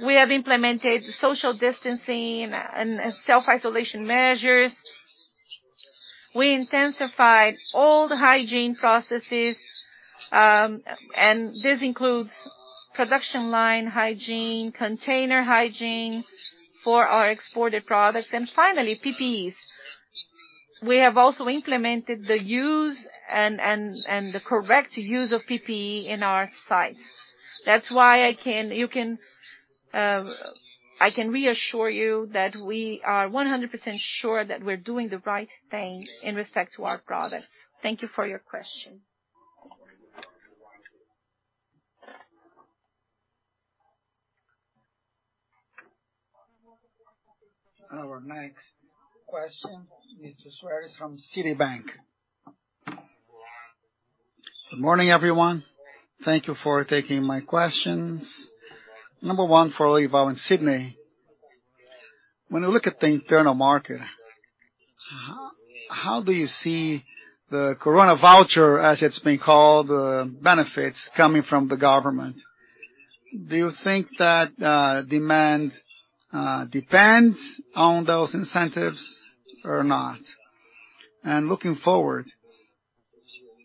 We have implemented social distancing and self-isolation measures. We intensified all the hygiene processes, and this includes production line hygiene, container hygiene for our exported products, and finally, PPEs. We have also implemented the use and the correct use of PPE in our sites. That's why I can reassure you that we are 100% sure that we're doing the right thing in respect to our products. Thank you for your question. Our next question, Mr. Soares from Citibank. Good morning, everyone. Thank you for taking my questions. Number one for Lorival and Sidney. When you look at the internal market, how do you see the Coronavoucher, as it's been called, benefits coming from the government? Do you think that demand depends on those incentives or not? Looking forward,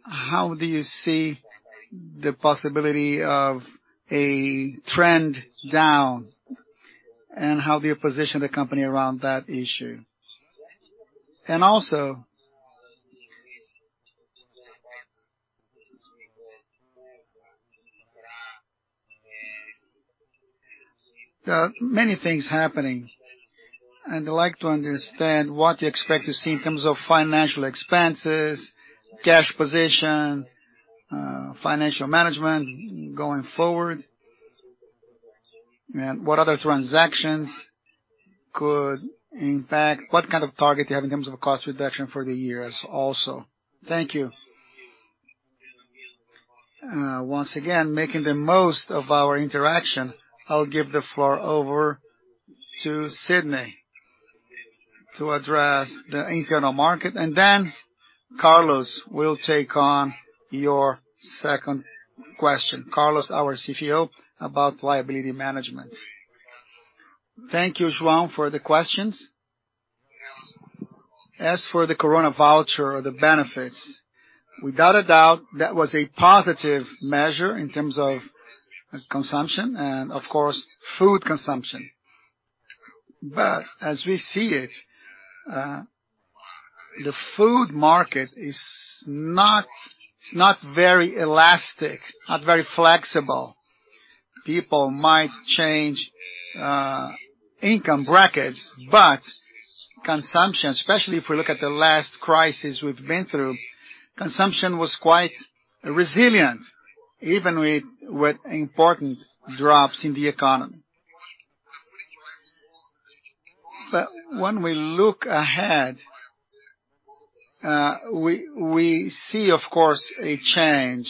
how do you see the possibility of a trend down, and how do you position the company around that issue? Also, there are many things happening, and I'd like to understand what you expect to see in terms of financial expenses, cash position, financial management going forward. What kind of target do you have in terms of cost reduction for the year also. Thank you. Once again, making the most of our interaction, I'll give the floor over to Sidney to address the internal market. Then Carlos will take on your second question, Carlos, our CFO, about liability management. Thank you, João, for the questions. As for the Coronavoucher or the benefits, without a doubt, that was a positive measure in terms of consumption and of course, food consumption. As we see it, the food market is not very elastic, not very flexible. People might change income brackets, but consumption, especially if we look at the last crisis we've been through, consumption was quite resilient, even with important drops in the economy. When we look ahead, we see, of course, a change.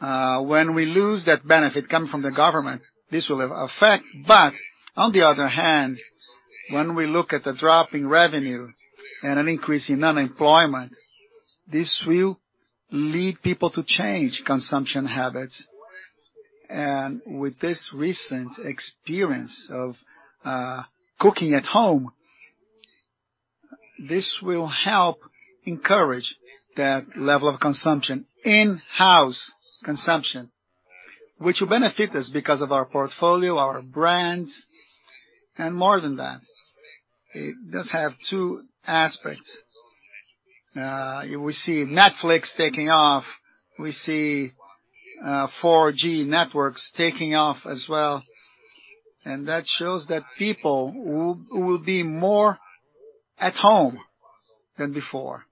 When we lose that benefit coming from the government, this will have effect. On the other hand, when we look at the drop in revenue and an increase in unemployment, this will lead people to change consumption habits. With this recent experience of cooking at home, this will help encourage that level of consumption, in-house consumption, which will benefit us because of our portfolio, our brands, and more than that. It does have two aspects. We see Netflix taking off, we see 4G networks taking off as well. That shows that people will be more at home than before,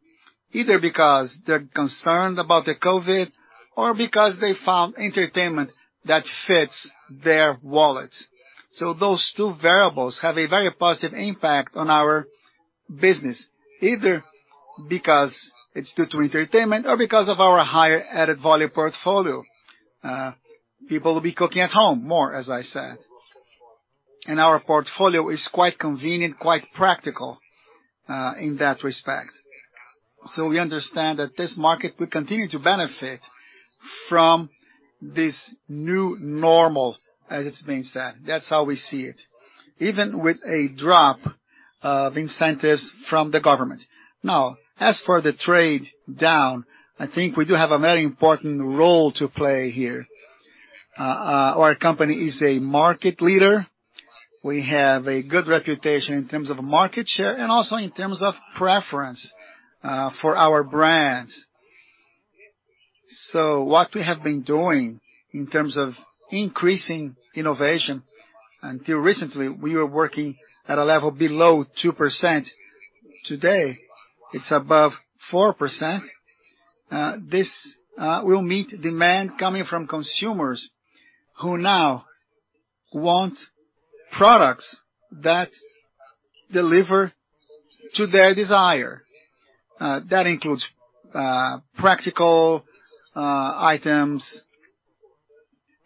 either because they're concerned about the COVID-19 or because they found entertainment that fits their wallets. Those two variables have a very positive impact on our business, either because it's due to entertainment or because of our higher added value portfolio. People will be cooking at home more, as I said. Our portfolio is quite convenient, quite practical in that respect. We understand that this market will continue to benefit from this new normal as it means that. That's how we see it. Even with a drop of incentives from the government. As for the trade down, I think we do have a very important role to play here. Our company is a market leader. We have a good reputation in terms of market share and also in terms of preference for our brands. What we have been doing in terms of increasing innovation, until recently, we were working at a level below 2%. Today, it's above 4%. This will meet demand coming from consumers who now want products that deliver to their desire. That includes practical items.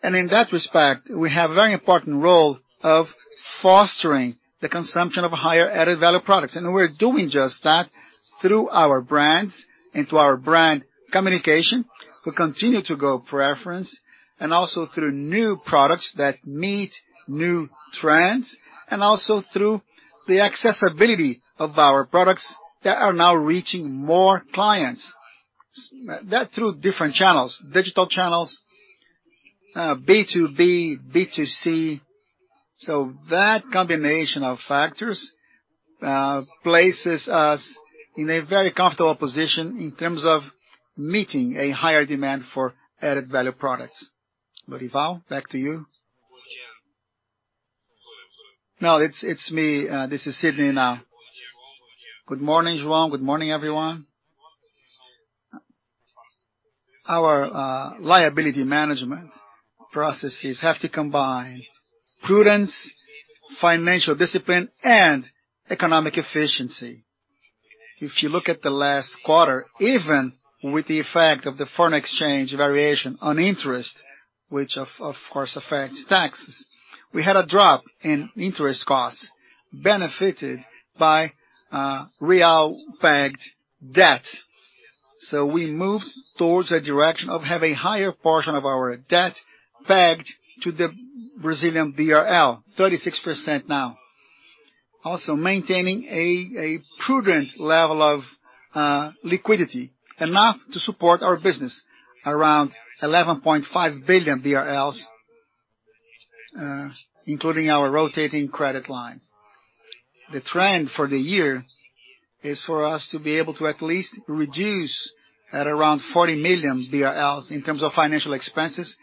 In that respect, we have a very important role of fostering the consumption of higher added value products. We're doing just that through our brands and through our brand communication. We continue to grow preference and also through new products that meet new trends, and also through the accessibility of our products that are now reaching more clients through different channels, digital channels, B2B, B2C. That combination of factors places us in a very comfortable position in terms of meeting a higher demand for added value products. Lorival, back to you. No, it's me. This is Sidney now. Good morning, João. Good morning, everyone. Our liability management processes have to combine prudence, financial discipline, and economic efficiency. If you look at the last quarter, even with the effect of the foreign exchange variation on interest, which of course affects taxes, we had a drop in interest costs benefited by BRL-pegged debt. We moved towards a direction of have a higher portion of our debt pegged to the Brazilian BRL, 36% now. Also maintaining a prudent level of liquidity, enough to support our business around 11.5 billion BRL, including our rotating credit lines. The trend for the year is for us to be able to at least reduce at around 40 million BRL in terms of financial expenses,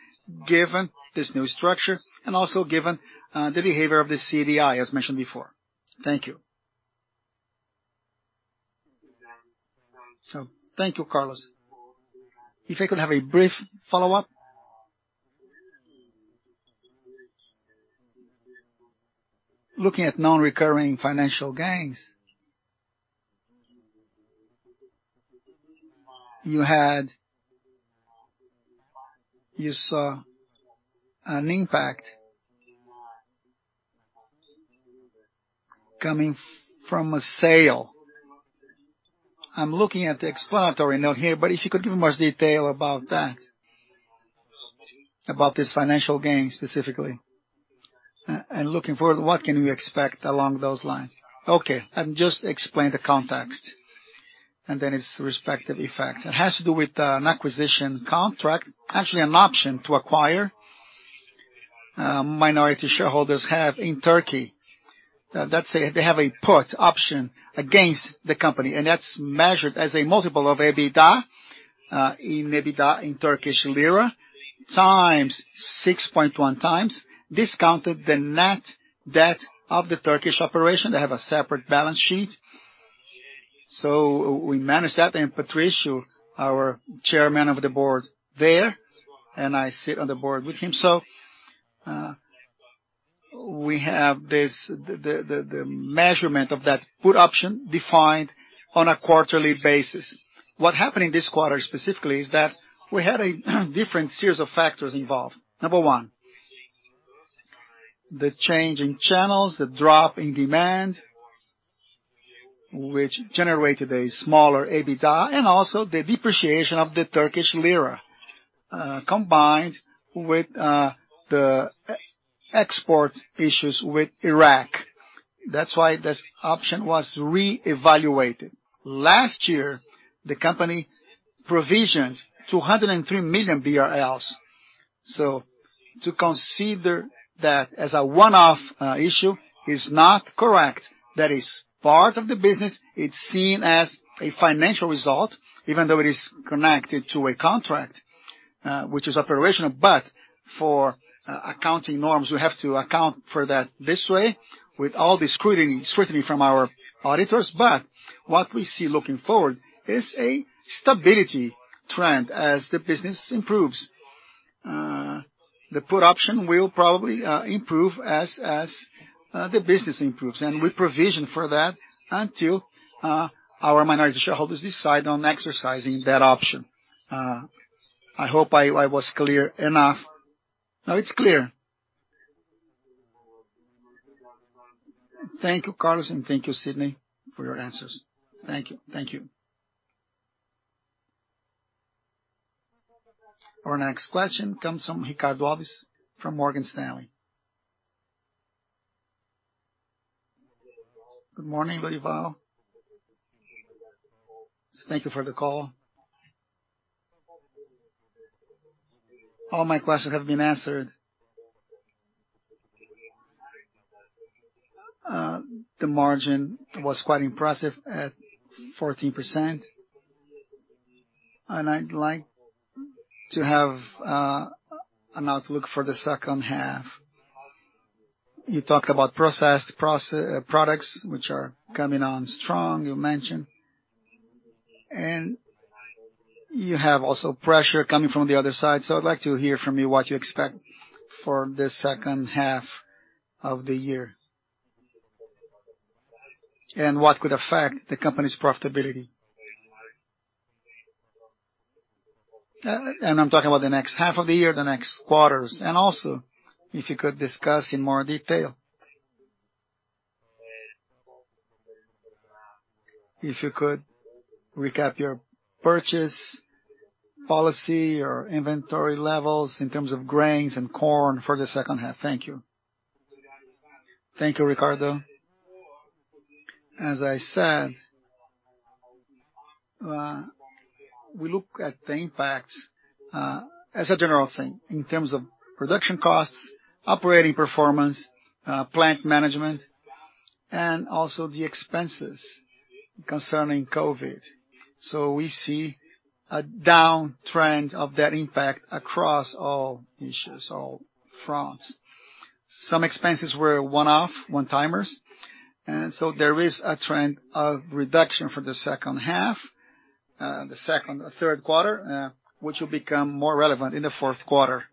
given this new structure and also given the behavior of the CDI as mentioned before. Thank you. Thank you, Carlos. If I could have a brief follow-up. Looking at non-recurring financial gains, you saw an impact coming from a sale. I'm looking at the explanatory note here, if you could give me more detail about that. About this financial gain specifically. Looking forward, what can we expect along those lines? Okay. I'll just explain the context and then its respective effects. It has to do with an acquisition contract, actually an option to acquire, minority shareholders have in Turkey. They have a put option against the company, and that's measured as a multiple of EBITDA, in Turkish lira, times 6.1 times, discounted the net debt of the Turkish operation. They have a separate balance sheet. We managed that and Patricio, our chairman of the board there, and I sit on the board with him, so we have the measurement of that put option defined on a quarterly basis. What happened in this quarter specifically is that we had a different series of factors involved. Number one, the change in channels, the drop in demand, which generated a smaller EBITDA and also the depreciation of the Turkish lira, combined with the export issues with Iraq. That's why this option was re-evaluated. Last year, the company provisioned 203 million BRL. To consider that as a one-off issue is not correct. That is part of the business. It's seen as a financial result, even though it is connected to a contract, which is operational, but for accounting norms, we have to account for that this way with all the scrutiny from our auditors. What we see looking forward is a stability trend as the business improves. The put option will probably improve as the business improves. We provision for that until our minority shareholders decide on exercising that option. I hope I was clear enough. No, it's clear. Thank you, Carlos, and thank you Sidney for your answers. Thank you. Thank you. Our next question comes from Ricardo Alves from Morgan Stanley. Good morning, Lorival. Thank you for the call. All my questions have been answered. The margin was quite impressive at 14%. I'd like to have an outlook for the second half. You talked about processed products which are coming on strong, you mentioned. You have also pressure coming from the other side. I'd like to hear from you what you expect for the second half of the year. What could affect the company's profitability. I'm talking about the next half of the year, the next quarters, and also if you could discuss in more detail. If you could recap your purchase policy or inventory levels in terms of grains and corn for the second half. Thank you. Thank you, Ricardo. As I said, we look at the impacts, as a general thing, in terms of production costs, operating performance, plant management, and also the expenses concerning COVID-19. We see a downtrend of that impact across all issues, all fronts. Some expenses were one-off, one-timers, there is a trend of reduction for the second half, the third quarter, which will become more relevant in the fourth quarter.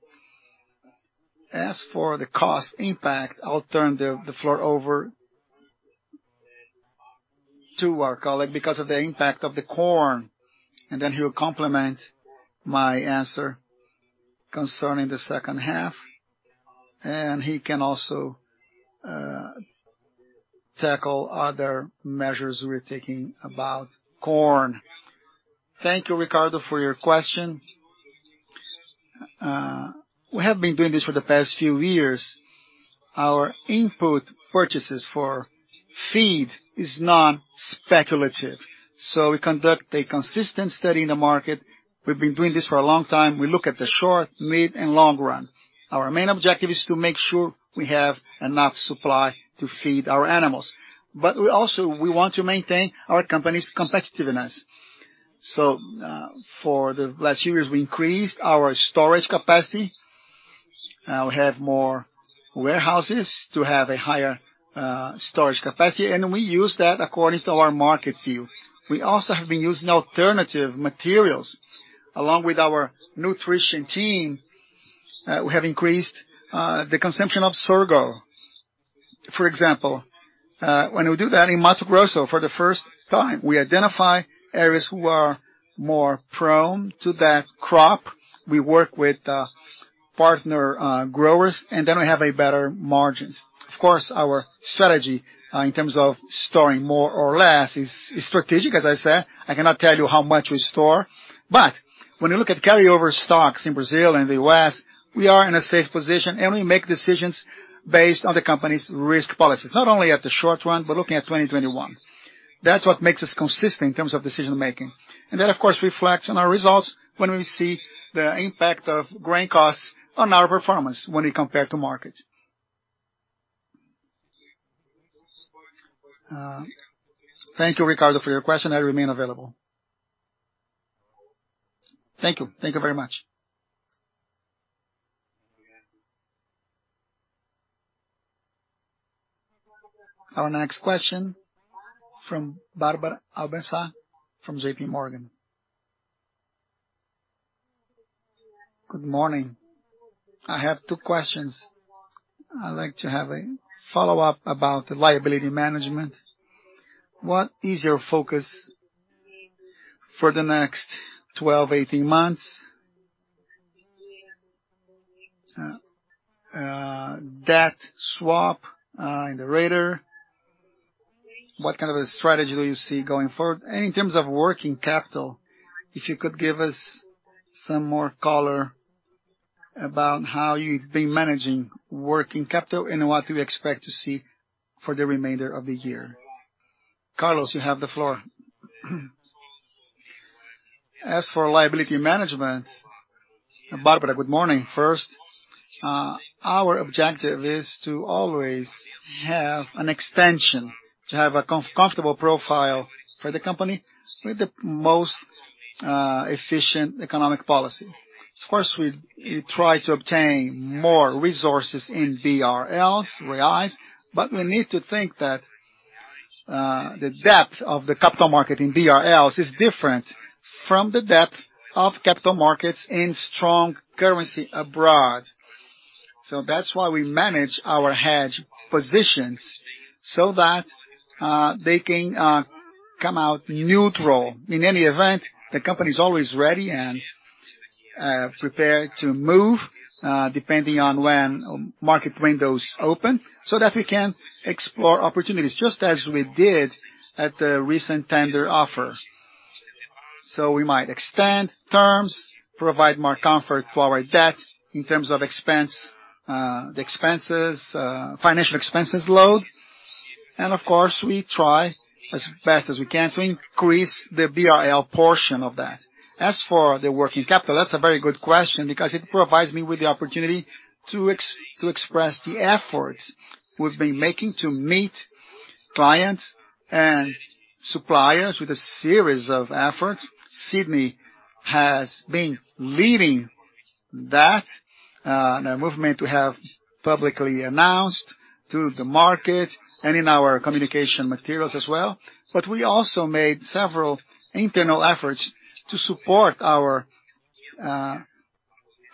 As for the cost impact, I'll turn the floor over to our colleague because of the impact of the corn, he will complement my answer concerning the second half, he can also tackle other measures we're taking about corn. Thank you, Ricardo, for your question. We have been doing this for the past few years. Our input purchases for feed is non-speculative. We conduct a consistent study in the market. We've been doing this for a long time. We look at the short, mid, and long run. Our main objective is to make sure we have enough supply to feed our animals. Also, we want to maintain our company's competitiveness. For the last years, we increased our storage capacity. Now we have more warehouses to have a higher storage capacity, and we use that according to our market view. We also have been using alternative materials. Along with our nutrition team, we have increased the consumption of sorghum, for example. When we do that in Mato Grosso for the first time, we identify areas who are more prone to that crop. We work with partner growers, and then we have better margins. Of course, our strategy in terms of storing more or less is strategic, as I said. I cannot tell you how much we store. When we look at carryover stocks in Brazil and the U.S., we are in a safe position, and we make decisions based on the company's risk policies. Not only at the short run, but looking at 2021. That's what makes us consistent in terms of decision-making. That, of course, reflects on our results when we see the impact of grain costs on our performance when we compare to market. Thank you, Ricardo, for your question. I remain available. Thank you. Thank you very much. Our next question from Barbara Alcaraz from JPMorgan. Good morning. I have two questions. I'd like to have a follow-up about the liability management. What is your focus for the next 12, 18 months? Debt swap in the radar. What kind of a strategy do you see going forward? In terms of working capital, if you could give us some more color about how you've been managing working capital and what we expect to see for the remainder of the year. Carlos, you have the floor. As for liability management, Barbara, good morning. First, our objective is to always have an extension, to have a comfortable profile for the company with the most efficient economic policy. Of course, we try to obtain more resources in BRLs, reais, but we need to think that the depth of the capital market in BRLs is different from the depth of capital markets in strong currency abroad. That's why we manage our hedge positions so that they can come out neutral. In any event, the company's always ready and prepared to move, depending on when market windows open, so that we can explore opportunities, just as we did at the recent tender offer. We might extend terms, provide more comfort for our debt in terms of financial expenses load. Of course, we try as best as we can to increase the BRL portion of that. As for the working capital, that's a very good question because it provides me with the opportunity to express the efforts we've been making to meet clients and suppliers with a series of efforts. Sidney has been leading that movement we have publicly announced to the market and in our communication materials as well. We also made several internal efforts to support our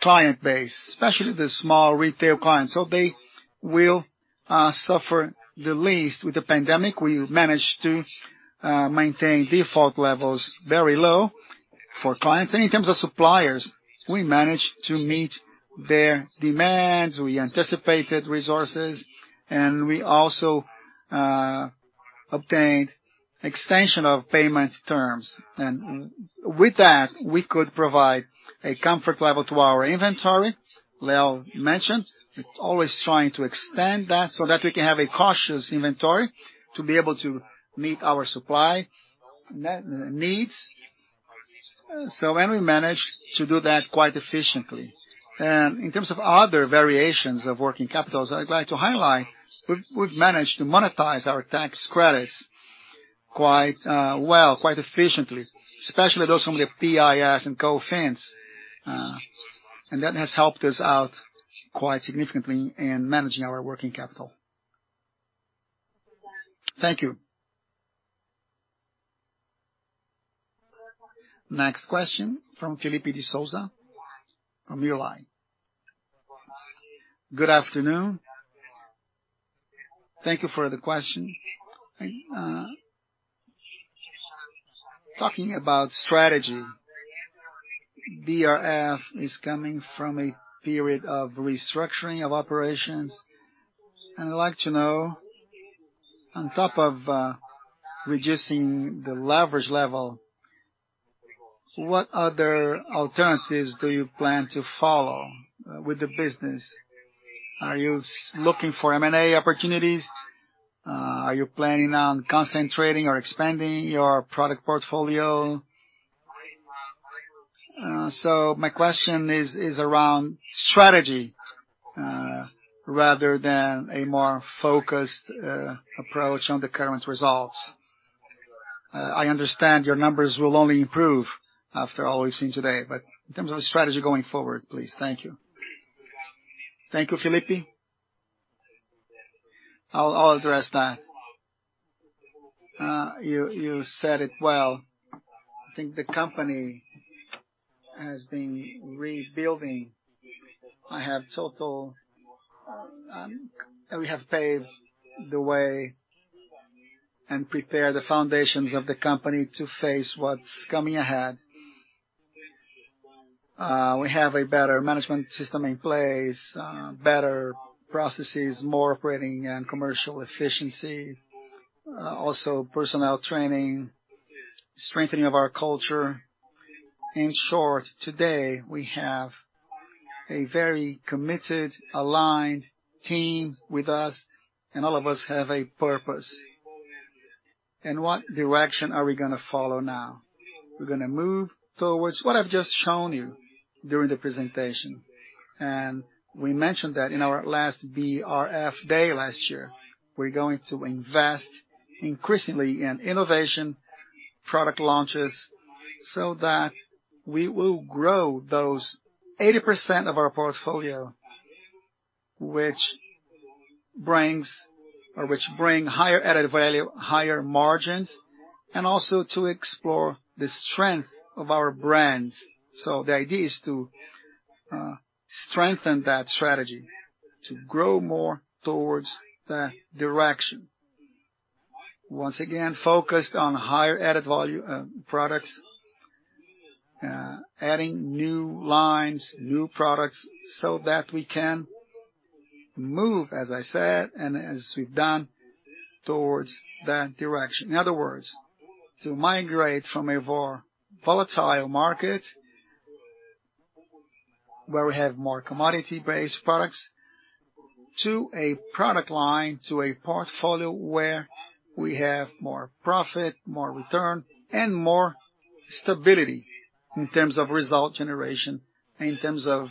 client base, especially the small retail clients, so they will suffer the least with the pandemic. We've managed to maintain default levels very low for clients. In terms of suppliers, we managed to meet their demands, we anticipated resources, and we also obtained extension of payment terms. With that, we could provide a comfort level to our inventory. Leo mentioned, always trying to extend that so that we can have a cautious inventory to be able to meet our supply needs. We managed to do that quite efficiently. In terms of other variations of working capitals, I'd like to highlight we've managed to monetize our tax credits quite well, quite efficiently, especially those from the PIS and COFINS. That has helped us out quite significantly in managing our working capital. Thank you. Next question from Felipe de Souza from Uline. Good afternoon. Thank you for the question. Talking about strategy, BRF is coming from a period of restructuring of operations, and I'd like to know, on top of reducing the leverage level, what other alternatives do you plan to follow with the business? Are you looking for M&A opportunities? Are you planning on concentrating or expanding your product portfolio? My question is around strategy rather than a more focused approach on the current results. I understand your numbers will only improve after all we've seen today, but in terms of strategy going forward, please. Thank you. Thank you, Felipe. I'll address that. You said it well. I think the company has been rebuilding. We have paved the way and prepared the foundations of the company to face what's coming ahead. We have a better management system in place, better processes, more operating and commercial efficiency. Also personnel training, strengthening of our culture. In short, today we have a very committed, aligned team with us, and all of us have a purpose. What direction are we going to follow now? We're going to move towards what I've just shown you during the presentation. We mentioned that in our last BRF Day last year, we're going to invest increasingly in innovation, product launches, so that we will grow those 80% of our portfolio which bring higher added value, higher margins, and also to explore the strength of our brands. The idea is to strengthen that strategy to grow more towards that direction. Once again, focused on higher added value products, adding new lines, new products so that we can move, as I said, and as we've done towards that direction. In other words, to migrate from a more volatile market where we have more commodity-based products to a product line, to a portfolio where we have more profit, more return, and more stability in terms of result generation, in terms of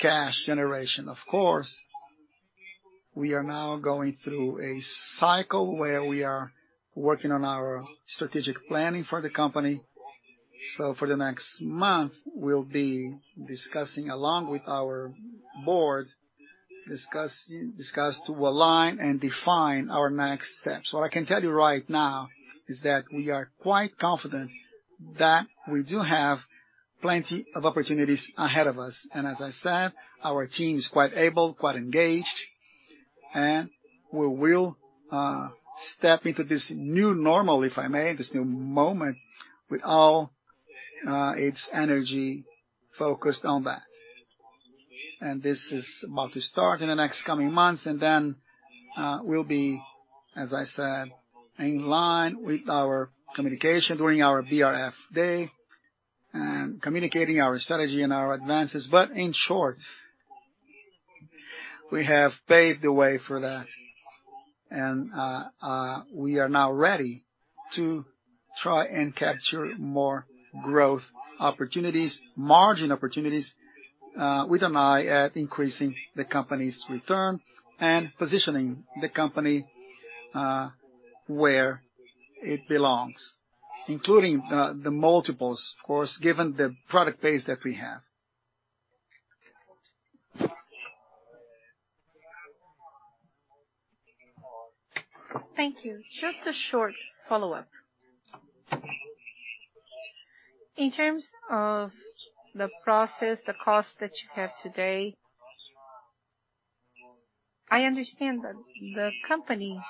cash generation. Of course, we are now going through a cycle where we are working on our strategic planning for the company. For the next month, we'll be discussing along with our board, discuss to align and define our next steps. What I can tell you right now is that we are quite confident that we do have plenty of opportunities ahead of us. As I said, our team is quite able, quite engaged, and we will step into this new normal, if I may, this new moment with all its energy focused on that. This is about to start in the next coming months. We'll be, as I said, in line with our communication during our BRF Day and communicating our strategy and our advances. In short, we have paved the way for that and we are now ready to try and capture more growth opportunities, margin opportunities with an eye at increasing the company's return and positioning the company where it belongs, including the multiples, of course, given the product base that we have. Thank you. Just a short follow-up. In terms of the process, the cost that you have today, I understand that the company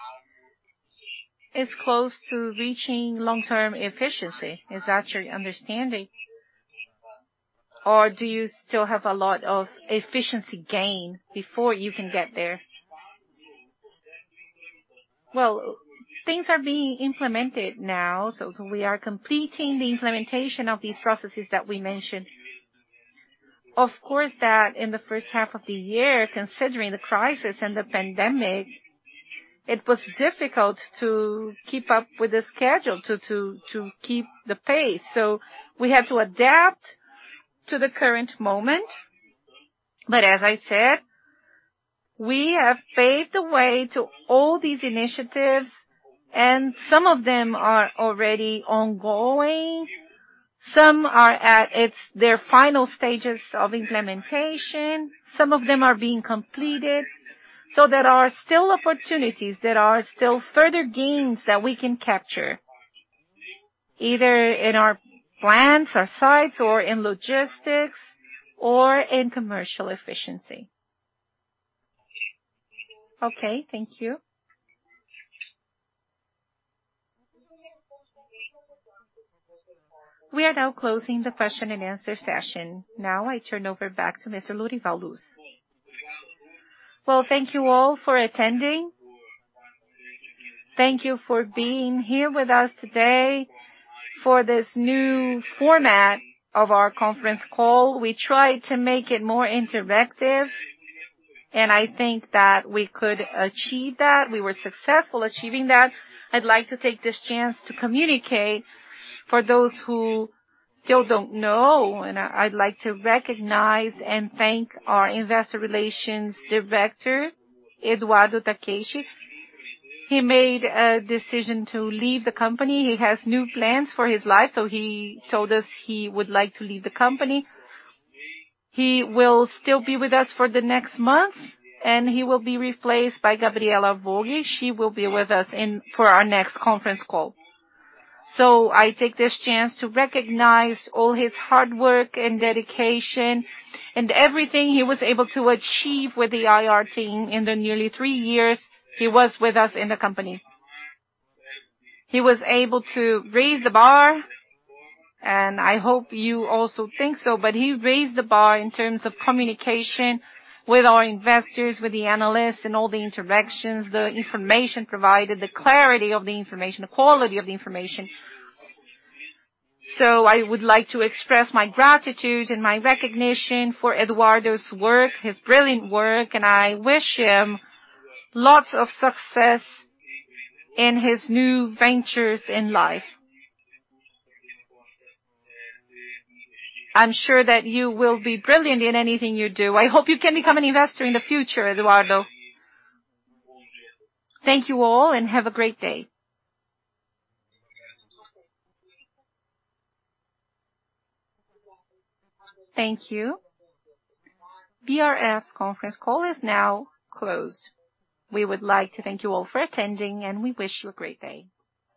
is close to reaching long-term efficiency. Is that your understanding, or do you still have a lot of efficiency gain before you can get there? Well, things are being implemented now. We are completing the implementation of these processes that we mentioned. Of course that in the first half of the year, considering the crisis and the pandemic, it was difficult to keep up with the schedule to keep the pace. We had to adapt to the current moment. As I said, we have paved the way to all these initiatives, and some of them are already ongoing. Some are at their final stages of implementation. Some of them are being completed. There are still opportunities, there are still further gains that we can capture, either in our plants or sites or in logistics or in commercial efficiency. Okay. Thank you. We are now closing the question-and-answer session. I turn over back to Mr. Lorival Luz. Well, thank you all for attending. Thank you for being here with us today for this new format of our conference call. We tried to make it more interactive, and I think that we could achieve that. We were successful achieving that. I'd like to take this chance to communicate for those who still don't know, and I'd like to recognize and thank our Investor Relations Director, Eduardo Takeshi. He made a decision to leave the company. He has new plans for his life, so he told us he would like to leave the company. He will still be with us for the next month, and he will be replaced by Gabriela Borge. She will be with us for our next conference call. I take this chance to recognize all his hard work and dedication and everything he was able to achieve with the IR team in the nearly three years he was with us in the company. He was able to raise the bar, and I hope you also think so. He raised the bar in terms of communication with our investors, with the analysts, and all the interactions, the information provided, the clarity of the information, the quality of the information. I would like to express my gratitude and my recognition for Eduardo's work, his brilliant work, and I wish him lots of success in his new ventures in life. I'm sure that you will be brilliant in anything you do. I hope you can become an investor in the future, Eduardo. Thank you all and have a great day. Thank you. BRF's conference call is now closed. We would like to thank you all for attending, and we wish you a great day.